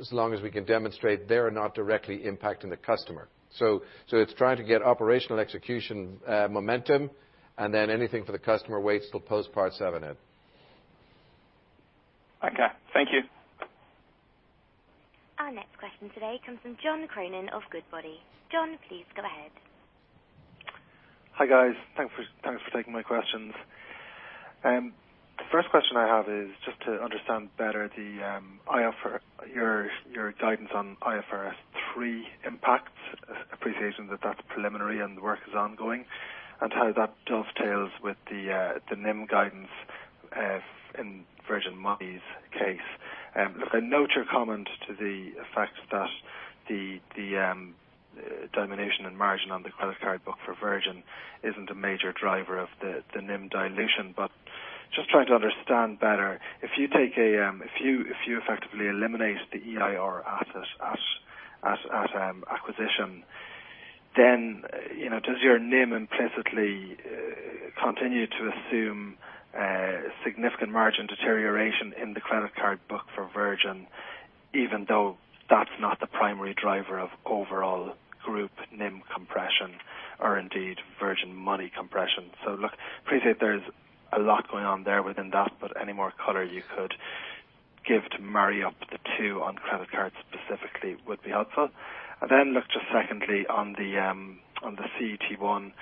as long as we can demonstrate they're not directly impacting the customer. It's trying to get operational execution momentum, anything for the customer waits till post Part VII, Ed. Okay. Thank you. Our next question today comes from John Cronin of Goodbody. John, please go ahead. Hi, guys. Thanks for taking my questions. The first question I have is just to understand better your guidance on IFRS 3 impacts. Appreciating that that's preliminary and the work is ongoing, how that dovetails with the NIM guidance in Virgin Money's case. I note your comment to the fact that the determination and margin on the credit card book for Virgin isn't a major driver of the NIM dilution. Just trying to understand better, if you effectively eliminate the EIR at acquisition, then does your NIM implicitly continue to assume significant margin deterioration in the credit card book for Virgin, even though that's not the primary driver of overall group NIM compression or indeed Virgin Money compression? Look, appreciate there's a lot going on there within that, but any more color you could give to marry up the two on credit cards specifically would be helpful. Then look to secondly on the CET1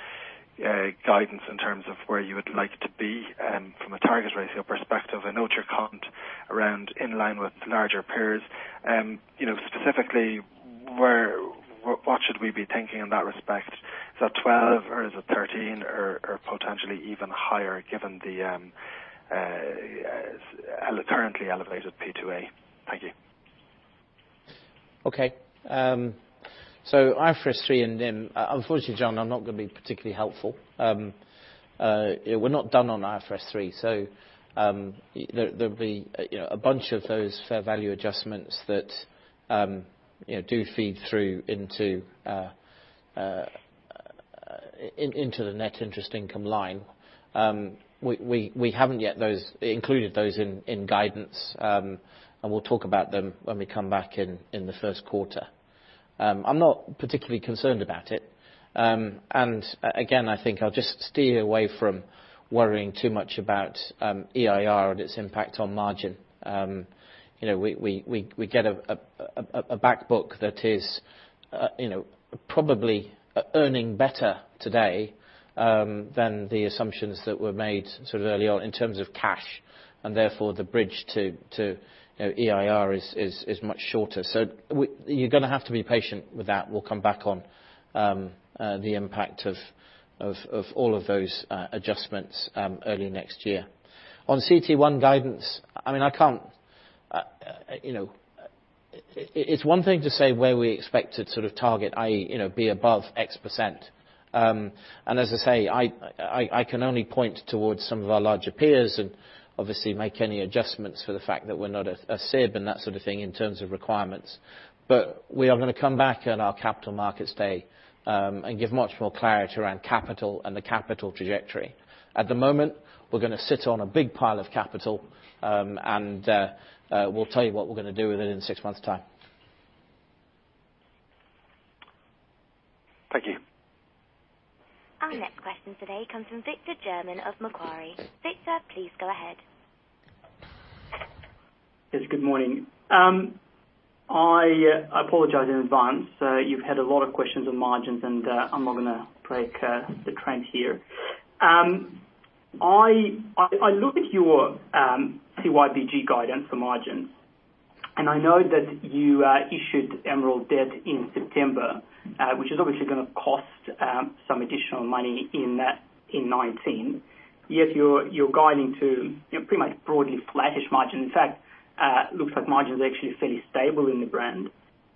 guidance in terms of where you would like to be from a target ratio perspective. I know it's your comment around in line with larger peers. Specifically, what should we be thinking in that respect? Is that 12 or is it 13 or potentially even higher given the currently elevated P2A? Thank you. Okay. IFRS 3 and NIM. Unfortunately, John, I am not going to be particularly helpful. We are not done on IFRS 3. There will be a bunch of those fair value adjustments that do feed through into the net interest income line. We have not yet included those in guidance, and we will talk about them when we come back in the first quarter. I am not particularly concerned about it. Again, I think I will just steer away from worrying too much about EIR and its impact on margin. We get a back book that is probably earning better today than the assumptions that were made sort of early on in terms of cash, and therefore the bridge to EIR is much shorter. You are going to have to be patient with that. We will come back on the impact of all of those adjustments early next year. On CET1 guidance, it is one thing to say where we expect to sort of target, i.e., be above X%. As I say, I can only point towards some of our larger peers and obviously make any adjustments for the fact that we are not a SIB and that sort of thing in terms of requirements. We are going to come back on our Capital Markets Day and give much more clarity around capital and the capital trajectory. At the moment, we are going to sit on a big pile of capital, and we will tell you what we are going to do with it in six months' time. Thank you. Our next question today comes from Victor German of Macquarie. Victor, please go ahead. Yes, good morning. I apologize in advance. You've had a lot of questions on margins, and I am not going to break the trend here. I look at your CYBG guidance for margins, and I know that you issued MREL debt in September, which is obviously going to cost some additional money in 2019. You are guiding to pretty much broadly flattish margin. In fact, looks like margin is actually fairly stable in the brand.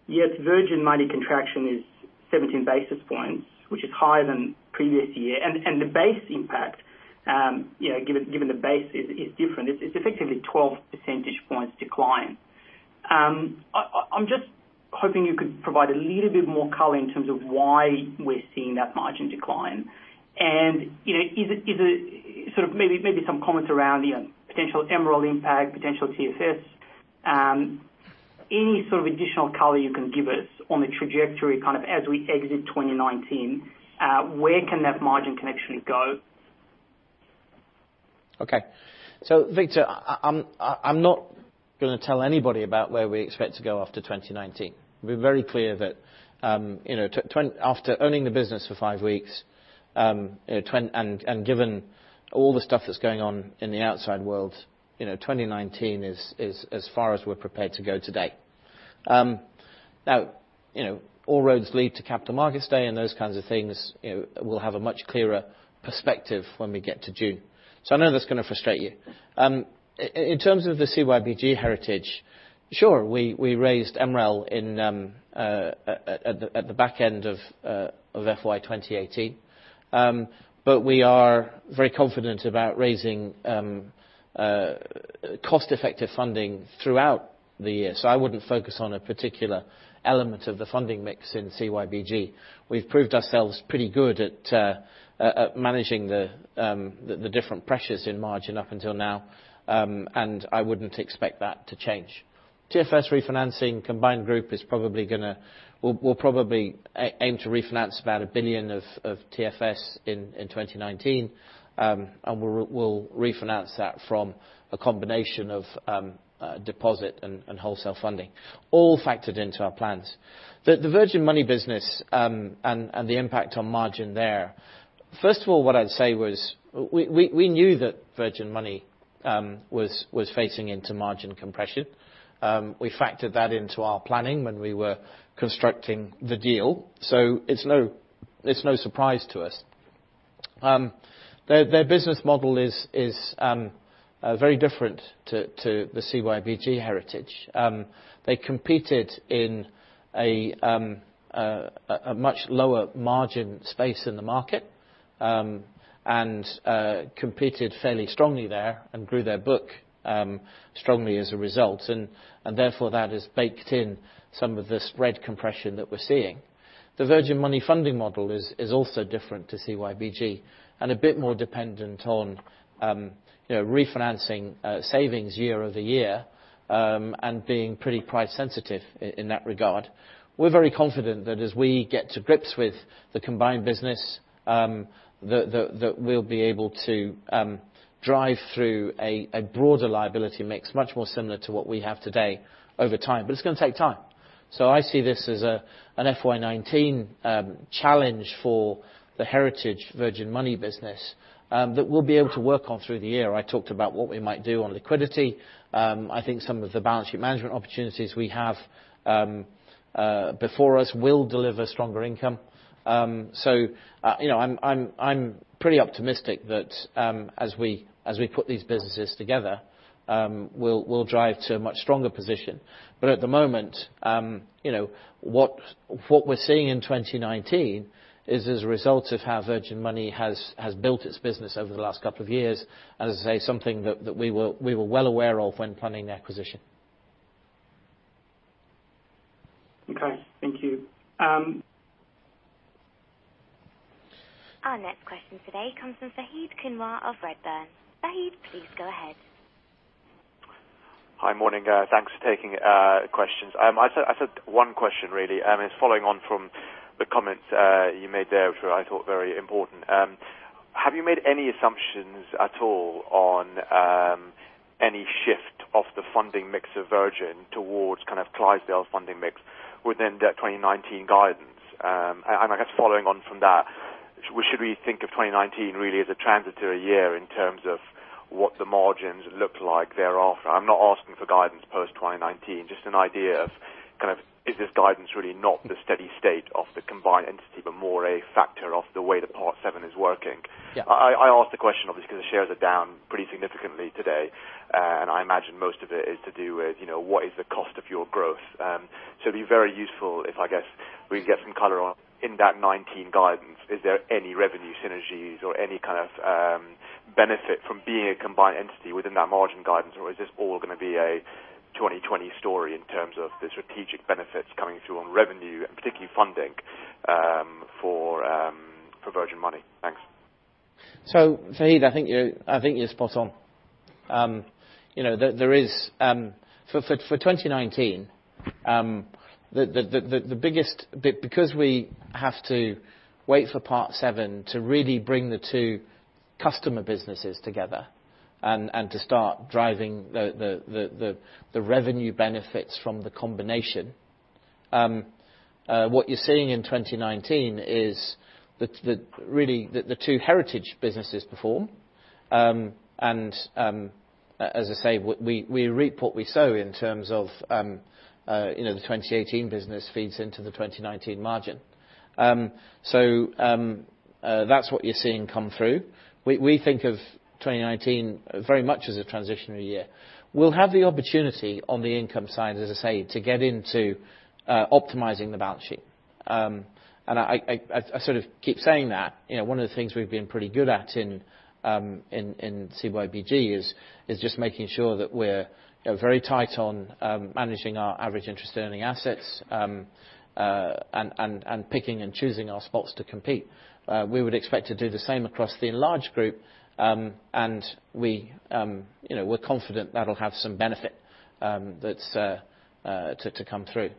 Virgin Money contraction is 17 basis points, which is higher than previous year. The base impact given the base is different. It is effectively a 12 percentage points decline. I am just hoping you could provide a little bit more color in terms of why we are seeing that margin decline. Maybe some comments around potential MREL impact, potential TFS. Any sort of additional color you can give us on the trajectory kind of as we exited 2019, where can that margin contraction go? Okay. Victor, I am not going to tell anybody about where we expect to go after 2019. We are very clear that after owning the business for five weeks, and given all the stuff that is going on in the outside world, 2019 is as far as we are prepared to go today. All roads lead to Capital Markets Day and those kinds of things. We will have a much clearer perspective when we get to June. I know that is going to frustrate you. In terms of the CYBG heritage, sure, we raised MREL at the back end of FY 2018. We are very confident about raising cost-effective funding throughout the year. I would not focus on a particular element of the funding mix in CYBG. We have proved ourselves pretty good at managing the different pressures in margin up until now, and I would not expect that to change. TFS refinancing combined group we will probably aim to refinance about 1 billion of TFS in 2019. We will refinance that from a combination of deposit and wholesale funding, all factored into our plans. The Virgin Money business and the impact on margin there. First of all, what I would say was we knew that Virgin Money was facing into margin compression. We factored that into our planning when we were constructing the deal. It is no surprise to us. Their business model is very different to the CYBG heritage. They competed in a much lower margin space in the market, and competed fairly strongly there and grew their book strongly as a result. Therefore that has baked in some of the spread compression that we are seeing. The Virgin Money funding model is also different to CYBG and a bit more dependent on refinancing savings year-over-year, and being pretty price sensitive in that regard. We are very confident that as we get to grips with the combined business, that we will be able to drive through a broader liability mix, much more similar to what we have today over time. It is going to take time. I see this as an FY 2019 challenge for the Heritage Virgin Money business that we will be able to work on through the year. I talked about what we might do on liquidity. I think some of the balance sheet management opportunities we have before us will deliver stronger income. I am pretty optimistic that as we put these businesses together, we will drive to a much stronger position. At the moment, what we are seeing in 2019 is as a result of how Virgin Money has built its business over the last couple of years. As I say, something that we were well aware of when planning the acquisition. Okay. Thank you. Our next question today comes from Fahed Kunwar of Redburn. Fahed, please go ahead. Hi. Morning. Thanks for taking questions. I have just one question really. It is following on from the comments you made there, which I thought very important. Have you made any assumptions at all on any shift of the funding mix of Virgin towards Clydesdale funding mix within that 2019 guidance? I guess following on from that, should we think of 2019 really as a transitory year in terms of what the margins look like thereafter? I am not asking for guidance post 2019, just an idea of is this guidance really not the steady state of the combined entity, but more a factor of the way that Part VII is working? Yeah. I ask the question obviously because the shares are down pretty significantly today, and I imagine most of it is to do with, what is the cost of your growth? It would be very useful if, I guess, we could get some color on in that 2019 guidance, is there any revenue synergies or any kind of benefit from being a combined entity within that margin guidance, or is this all going to be a 2020 story in terms of the strategic benefits coming through on revenue and particularly funding for Virgin Money? Thanks. Fahed, I think you are spot on. For 2019, because we have to wait for Part VII to really bring the two customer businesses together and to start driving the revenue benefits from the combination, what you are seeing in 2019 is really the two heritage businesses perform. As I say, we reap what we sow in terms of the 2018 business feeds into the 2019 margin. That is what you are seeing come through. We think of 2019 very much as a transitionary year. We will have the opportunity on the income side, as I say, to get into optimizing the balance sheet. I sort of keep saying that. One of the things we have been pretty good at in CYBG is just making sure that we are very tight on managing our average interest earning assets, and picking and choosing our spots to compete. We would expect to do the same across the enlarged group, and we are confident that will have some benefit to come through.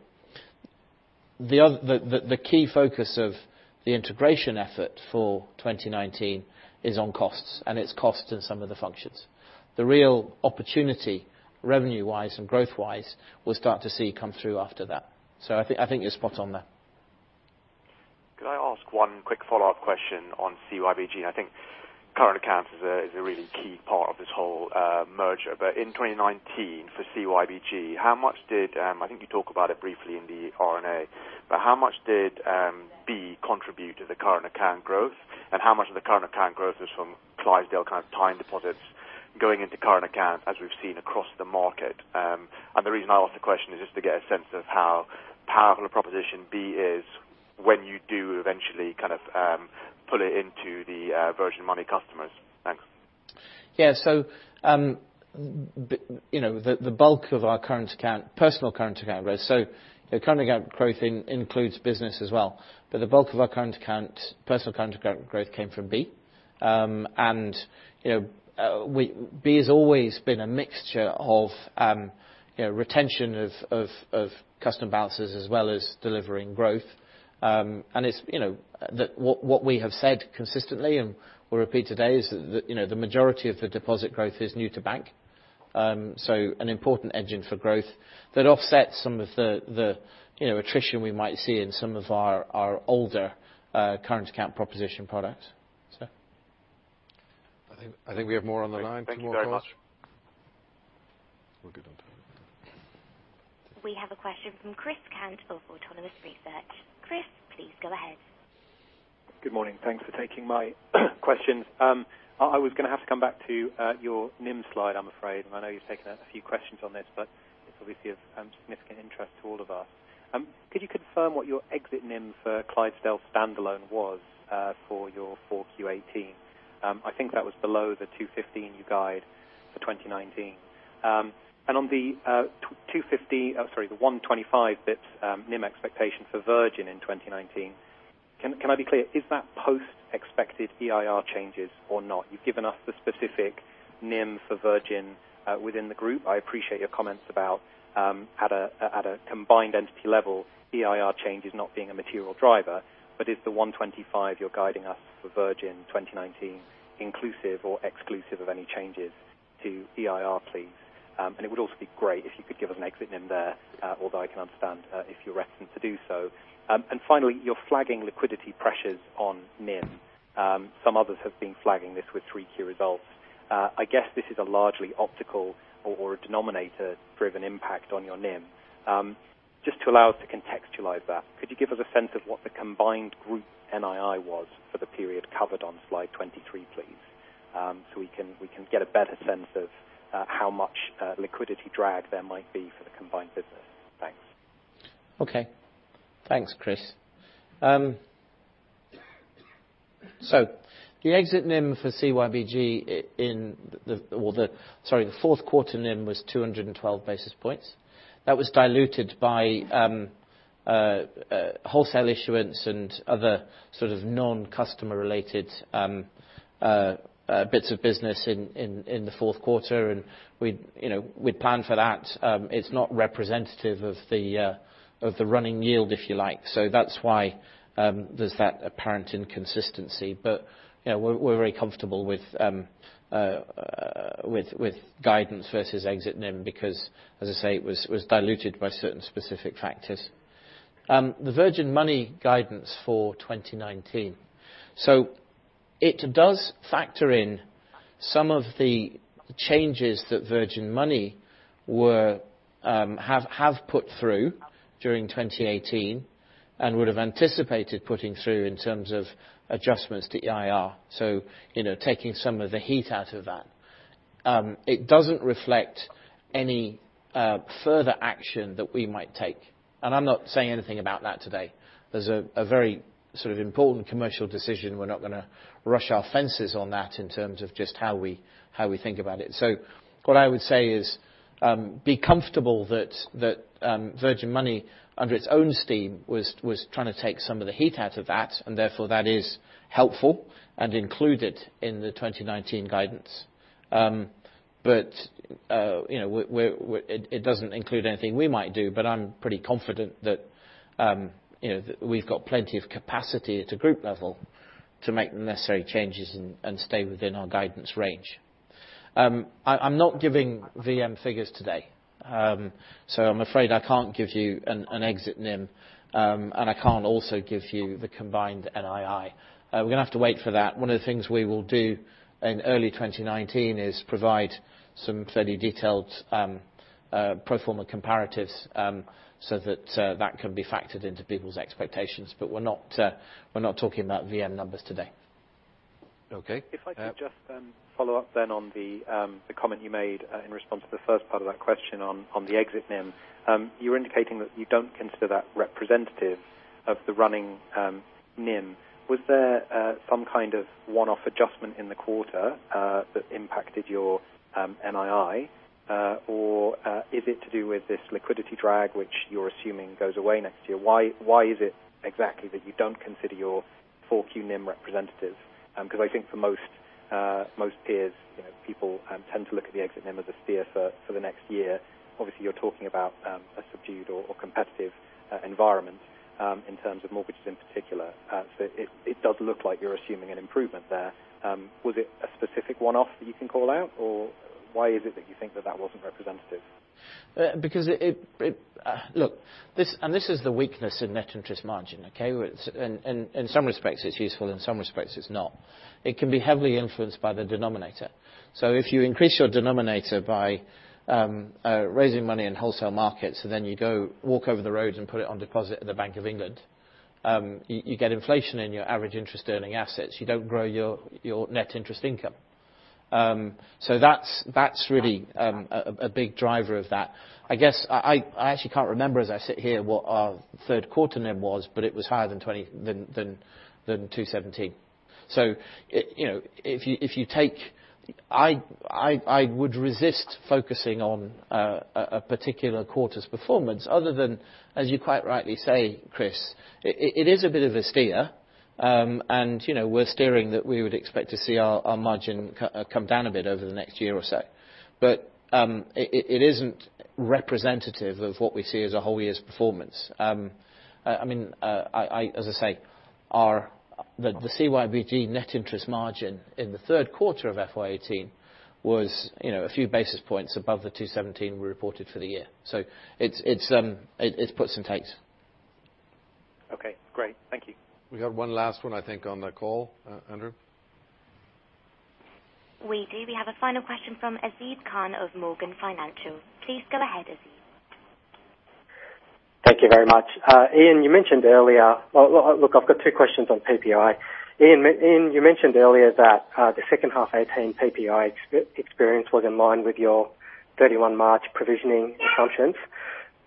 The key focus of the integration effort for 2019 is on costs, and its cost in some of the functions. The real opportunity, revenue-wise and growth-wise, we will start to see come through after that. I think you are spot on there. Could I ask one quick follow-up question on CYBG? I think current accounts is a really key part of this whole merger. In 2019 for CYBG, I think you talk about it briefly in the R&A, but how much did B contribute to the current account growth, and how much of the current account growth is from Clydesdale time deposits going into current account as we've seen across the market? The reason I ask the question is just to get a sense of how powerful a proposition B is when you do eventually put it into the Virgin Money customers. Thanks. Yeah. The bulk of our personal current account growth includes business as well, but the bulk of our personal current account growth came from B. B has always been a mixture of retention of custom balances as well as delivering growth. What we have said consistently, and we'll repeat today, is that the majority of the deposit growth is new to bank. An important engine for growth that offsets some of the attrition we might see in some of our older current account proposition products. Sir. I think we have more on the line. Two more calls. We'll get on to it. We have a question from Chris Cant of Autonomous Research. Chris, please go ahead. Good morning. Thanks for taking my questions. I was going to have to come back to your NIM slide, I'm afraid. I know you've taken a few questions on this, but it's obviously of significant interest to all of us. Could you confirm what your exit NIM for Clydesdale standalone was for your 4Q 2018? I think that was below the 215 you guide for 2019. On the 125 basis points NIM expectation for Virgin in 2019, can I be clear? Is that post expected EIR changes or not? You've given us the specific NIM for Virgin within the group. I appreciate your comments about at a combined entity level, EIR changes not being a material driver. Is the 125 you're guiding us for Virgin in 2019 inclusive or exclusive of any changes to EIR, please? It would also be great if you could give us an exit NIM there, although I can understand if you're reticent to do so. Finally, you're flagging liquidity pressures on NIM. Some others have been flagging this with 3Q results. I guess this is a largely optical or a denominator-driven impact on your NIM. Just to allow us to contextualize that, could you give us a sense of what the combined group NII was for the period covered on slide 23, please? We can get a better sense of how much liquidity drag there might be for the combined business. Thanks. Okay. Thanks, Chris. The exit NIM for CYBG, the fourth quarter NIM was 212 basis points. That was diluted by wholesale issuance and other sort of non-customer related bits of business in the fourth quarter. We plan for that. It's not representative of the running yield, if you like. That's why there's that apparent inconsistency. We're very comfortable with guidance versus exit NIM because, as I say, it was diluted by certain specific factors. The Virgin Money guidance for 2019. It does factor in some of the changes that Virgin Money have put through during 2018, and would have anticipated putting through in terms of adjustments to EIR. Taking some of the heat out of that. It doesn't reflect any further action that we might take, and I'm not saying anything about that today. There's a very sort of important commercial decision. We're not going to rush our fences on that in terms of just how we think about it. What I would say is be comfortable that Virgin Money, under its own steam, was trying to take some of the heat out of that, and therefore that is helpful and included in the 2019 guidance. It doesn't include anything we might do, I'm pretty confident that we've got plenty of capacity at the group level to make the necessary changes and stay within our guidance range. I'm not giving VM figures today, I'm afraid I can't give you an exit NIM, and I can't also give you the combined NII. We're going to have to wait for that. One of the things we will do in early 2019 is provide some fairly detailed pro forma comparatives so that that can be factored into people's expectations. We're not talking about VM numbers today. Okay. If I could just follow up on the comment you made in response to the first part of that question on the exit NIM. You were indicating that you don't consider that representative of the running NIM. Was there some kind of one-off adjustment in the quarter that impacted your NII? Is it to do with this liquidity drag, which you're assuming goes away next year? Why is it exactly that you don't consider your 4Q NIM representative? I think for most peers, people tend to look at the exit NIM as a steer for the next year. Obviously, you're talking about a subdued or competitive environment in terms of mortgages in particular. It does look like you're assuming an improvement there. Was it a specific one-off that you can call out? Why is it that you think that that wasn't representative? Look, this is the weakness in net interest margin, okay? In some respects, it's useful. In some respects, it's not. It can be heavily influenced by the denominator. If you increase your denominator by raising money in wholesale markets, you go walk over the road and put it on deposit at the Bank of England, you get inflation in your average interest earning assets. You don't grow your net interest income. That's really a big driver of that. I guess I actually can't remember as I sit here what our third quarter NIM was, it was higher than 217. I would resist focusing on a particular quarter's performance other than, as you quite rightly say, Chris, it is a bit of a steer, we're steering that we would expect to see our margin come down a bit over the next year or so. It isn't representative of what we see as a whole year's performance. As I say, the CYBG net interest margin in the third quarter of FY 2018 was a few basis points above the 217 we reported for the year. It's puts and takes. We have one last one, I think, on the call. Andrew? We do. We have a final question from Azib Khan of Morgan Financial. Please go ahead, Azib. Thank you very much. Ian, you mentioned earlier, Look, I've got two questions on PPI. Ian, you mentioned earlier that the second half 2018 PPI experience was in line with your 31 March provisioning assumptions.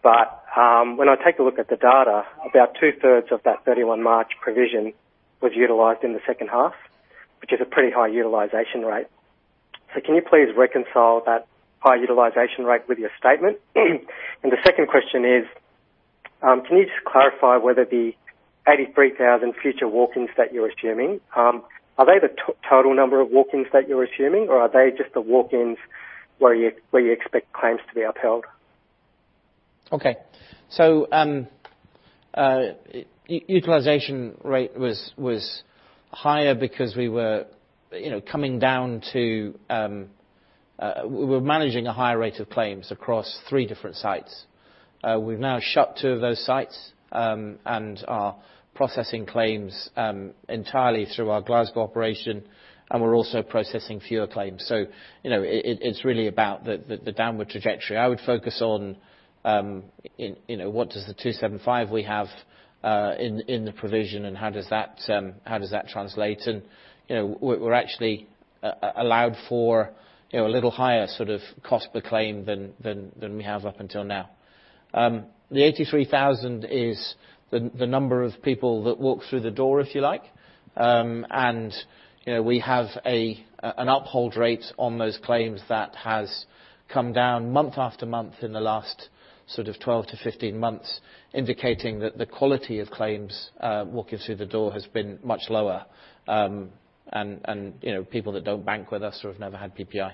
When I take a look at the data, about two-thirds of that 31 March provision was utilized in the second half, which is a pretty high utilization rate. Can you please reconcile that high utilization rate with your statement? The second question is, can you just clarify whether the 83,000 future walk-ins that you're assuming, are they the total number of walk-ins that you're assuming, or are they just the walk-ins where you expect claims to be upheld? Okay. Utilization rate was higher because we were managing a higher rate of claims across three different sites. We've now shut two of those sites and are processing claims entirely through our Glasgow operation, and we're also processing fewer claims. It's really about the downward trajectory. I would focus on what does the 275 we have in the provision and how does that translate. We're actually allowed for a little higher cost per claim than we have up until now. The 83,000 is the number of people that walk through the door, if you like. We have an uphold rate on those claims that has come down month after month in the last sort of 12 to 15 months, indicating that the quality of claims walking through the door has been much lower. People that don't bank with us or have never had PPI.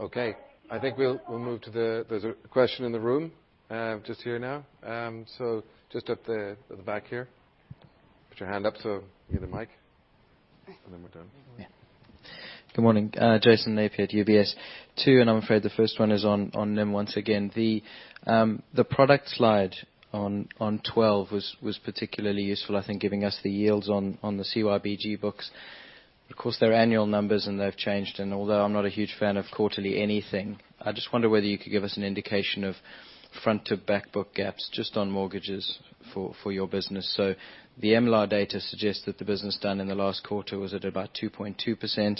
Okay. There's a question in the room, just here now. Just at the back here. Put your hand up so you get a mic. Then we're done. Yeah. Good morning. Jason Napier at UBS. Two, I'm afraid the first one is on NIM once again. The product slide on 12 was particularly useful, I think, giving us the yields on the CYBG books. Of course, they're annual numbers, they've changed. Although I'm not a huge fan of quarterly anything, I just wonder whether you could give us an indication of front to back book gaps just on mortgages for your business. The MLAR data suggests that the business done in the last quarter was at about 2.2%. The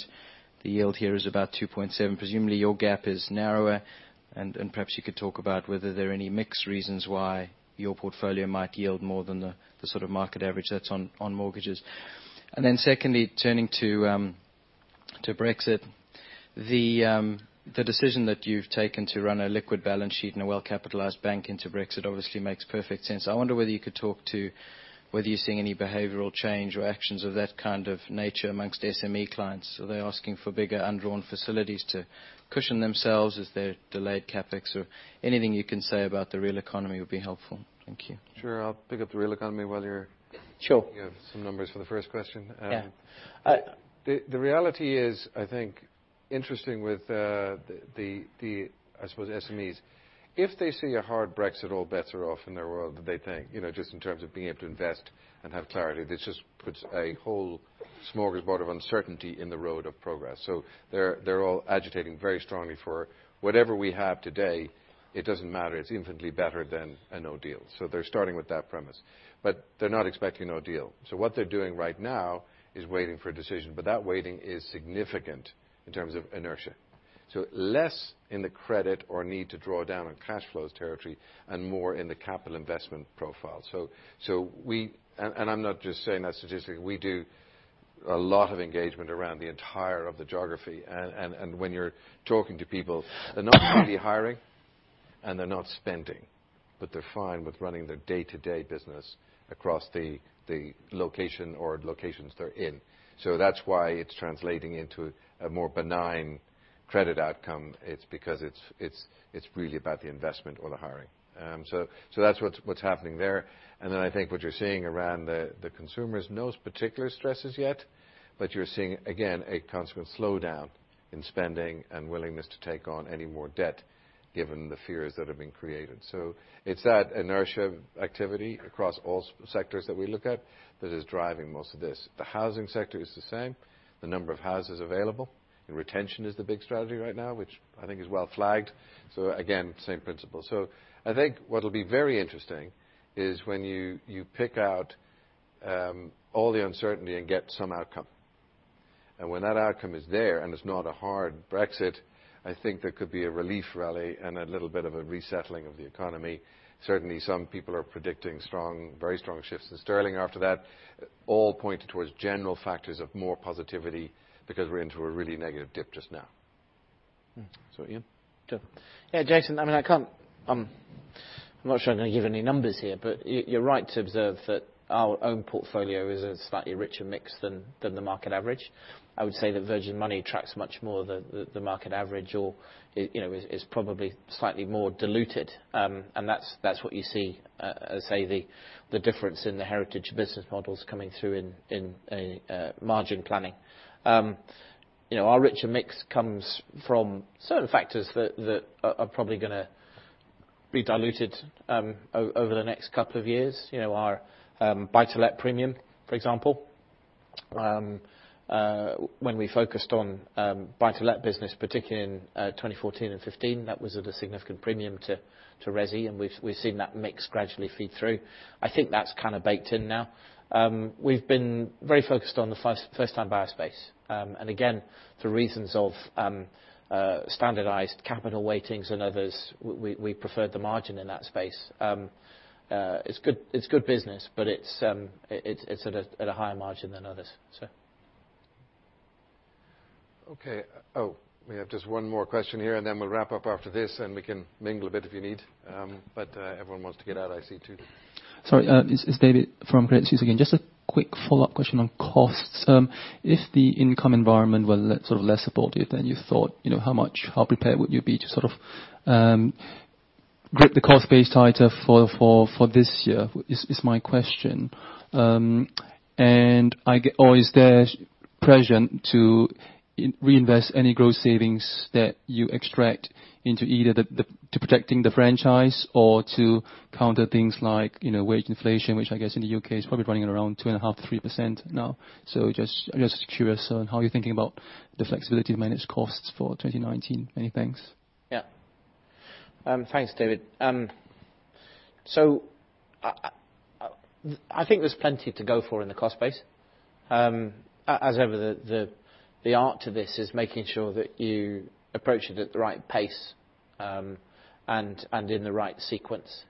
yield here is about 2.7%. Presumably, your gap is narrower, perhaps you could talk about whether there are any mix reasons why your portfolio might yield more than the sort of market average that's on mortgages. Then secondly, turning to Brexit. The decision that you've taken to run a liquid balance sheet and a well-capitalized bank into Brexit obviously makes perfect sense. I wonder whether you could talk to whether you're seeing any behavioral change or actions of that kind of nature amongst SME clients. Are they asking for bigger undrawn facilities to cushion themselves? Is there delayed CapEx or anything you can say about the real economy would be helpful. Thank you. Sure. I'll pick up the real economy while- Sure. you have some numbers for the first question. Yeah. The reality is, I think, interesting with the, I suppose, SMEs. If they see a hard Brexit, all bets are off in their world that they think, just in terms of being able to invest and have clarity. This just puts a whole smorgasbord of uncertainty in the road of progress. They're all agitating very strongly for whatever we have today, it doesn't matter. It's infinitely better than a no deal. They're starting with that premise. They're not expecting no deal. What they're doing right now is waiting for a decision, but that waiting is significant in terms of inertia. Less in the credit or need to draw down on cash flows territory and more in the capital investment profile. We, and I'm not just saying that statistically, we do a lot of engagement around the entire of the geography. When you're talking to people, they're not heavily hiring and they're not spending, but they're fine with running their day-to-day business across the location or locations they're in. That's why it's translating into a more benign credit outcome. It's because it's really about the investment or the hiring. That's what's happening there. Then I think what you're seeing around the consumers, no particular stresses yet, but you're seeing, again, a consequent slowdown in spending and willingness to take on any more debt given the fears that have been created. It's that inertia of activity across all sectors that we look at that is driving most of this. The housing sector is the same. The number of houses available, and retention is the big strategy right now, which I think is well flagged. Again, same principle. I think what will be very interesting is when you pick out all the uncertainty and get some outcome. When that outcome is there and it's not a hard Brexit, I think there could be a relief rally and a little bit of a resettling of the economy. Certainly, some people are predicting very strong shifts in sterling after that. All pointed towards general factors of more positivity because we're into a really negative dip just now. Ian? Go. Yeah, Jason, I'm not sure I'm going to give any numbers here, but you're right to observe that our own portfolio is a slightly richer mix than the market average. I would say that Virgin Money tracks much more the market average, or is probably slightly more diluted. That's what you see as, say, the difference in the heritage business models coming through in margin planning. Our richer mix comes from certain factors that are probably going to be diluted over the next couple of years. Our buy-to-let premium, for example, when we focused on buy-to-let business, particularly in 2014 and 2015, that was at a significant premium to resi, and we've seen that mix gradually feed through. I think that's kind of baked in now. We've been very focused on the first-time buyer space. Again, for reasons of standardized capital weightings and others, we preferred the margin in that space. It's good business, but it's at a higher margin than others. Okay. We have just one more question here, then we'll wrap up after this, we can mingle a bit if you need. Everyone wants to get out, I see, too. Sorry, it's David from Credit Suisse again. Just a quick follow-up question on costs. If the income environment were less supportive than you thought, how prepared would you be to grip the cost base tighter for this year is my question? Is there pressure to reinvest any growth savings that you extract into either to protecting the franchise or to counter things like wage inflation, which I guess in the U.K. is probably running at around 2.5%, 3% now. Just curious on how you're thinking about the flexibility to manage costs for 2019. Many thanks. Yeah. Thanks, David. I think there's plenty to go for in the cost base. As ever, the art to this is making sure that you approach it at the right pace and in the right sequence.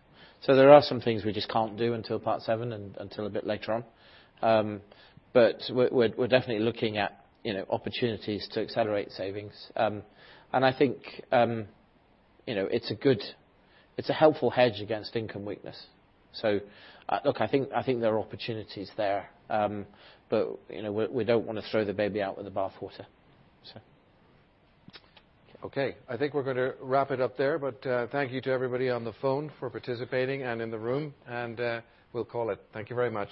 There are some things we just can't do until Part VII and until a bit later on. We're definitely looking at opportunities to accelerate savings. I think it's a helpful hedge against income weakness. Look, I think there are opportunities there. We don't want to throw the baby out with the bath water. Okay. I think we're going to wrap it up there, but thank you to everybody on the phone for participating, and in the room, and we'll call it. Thank you very much.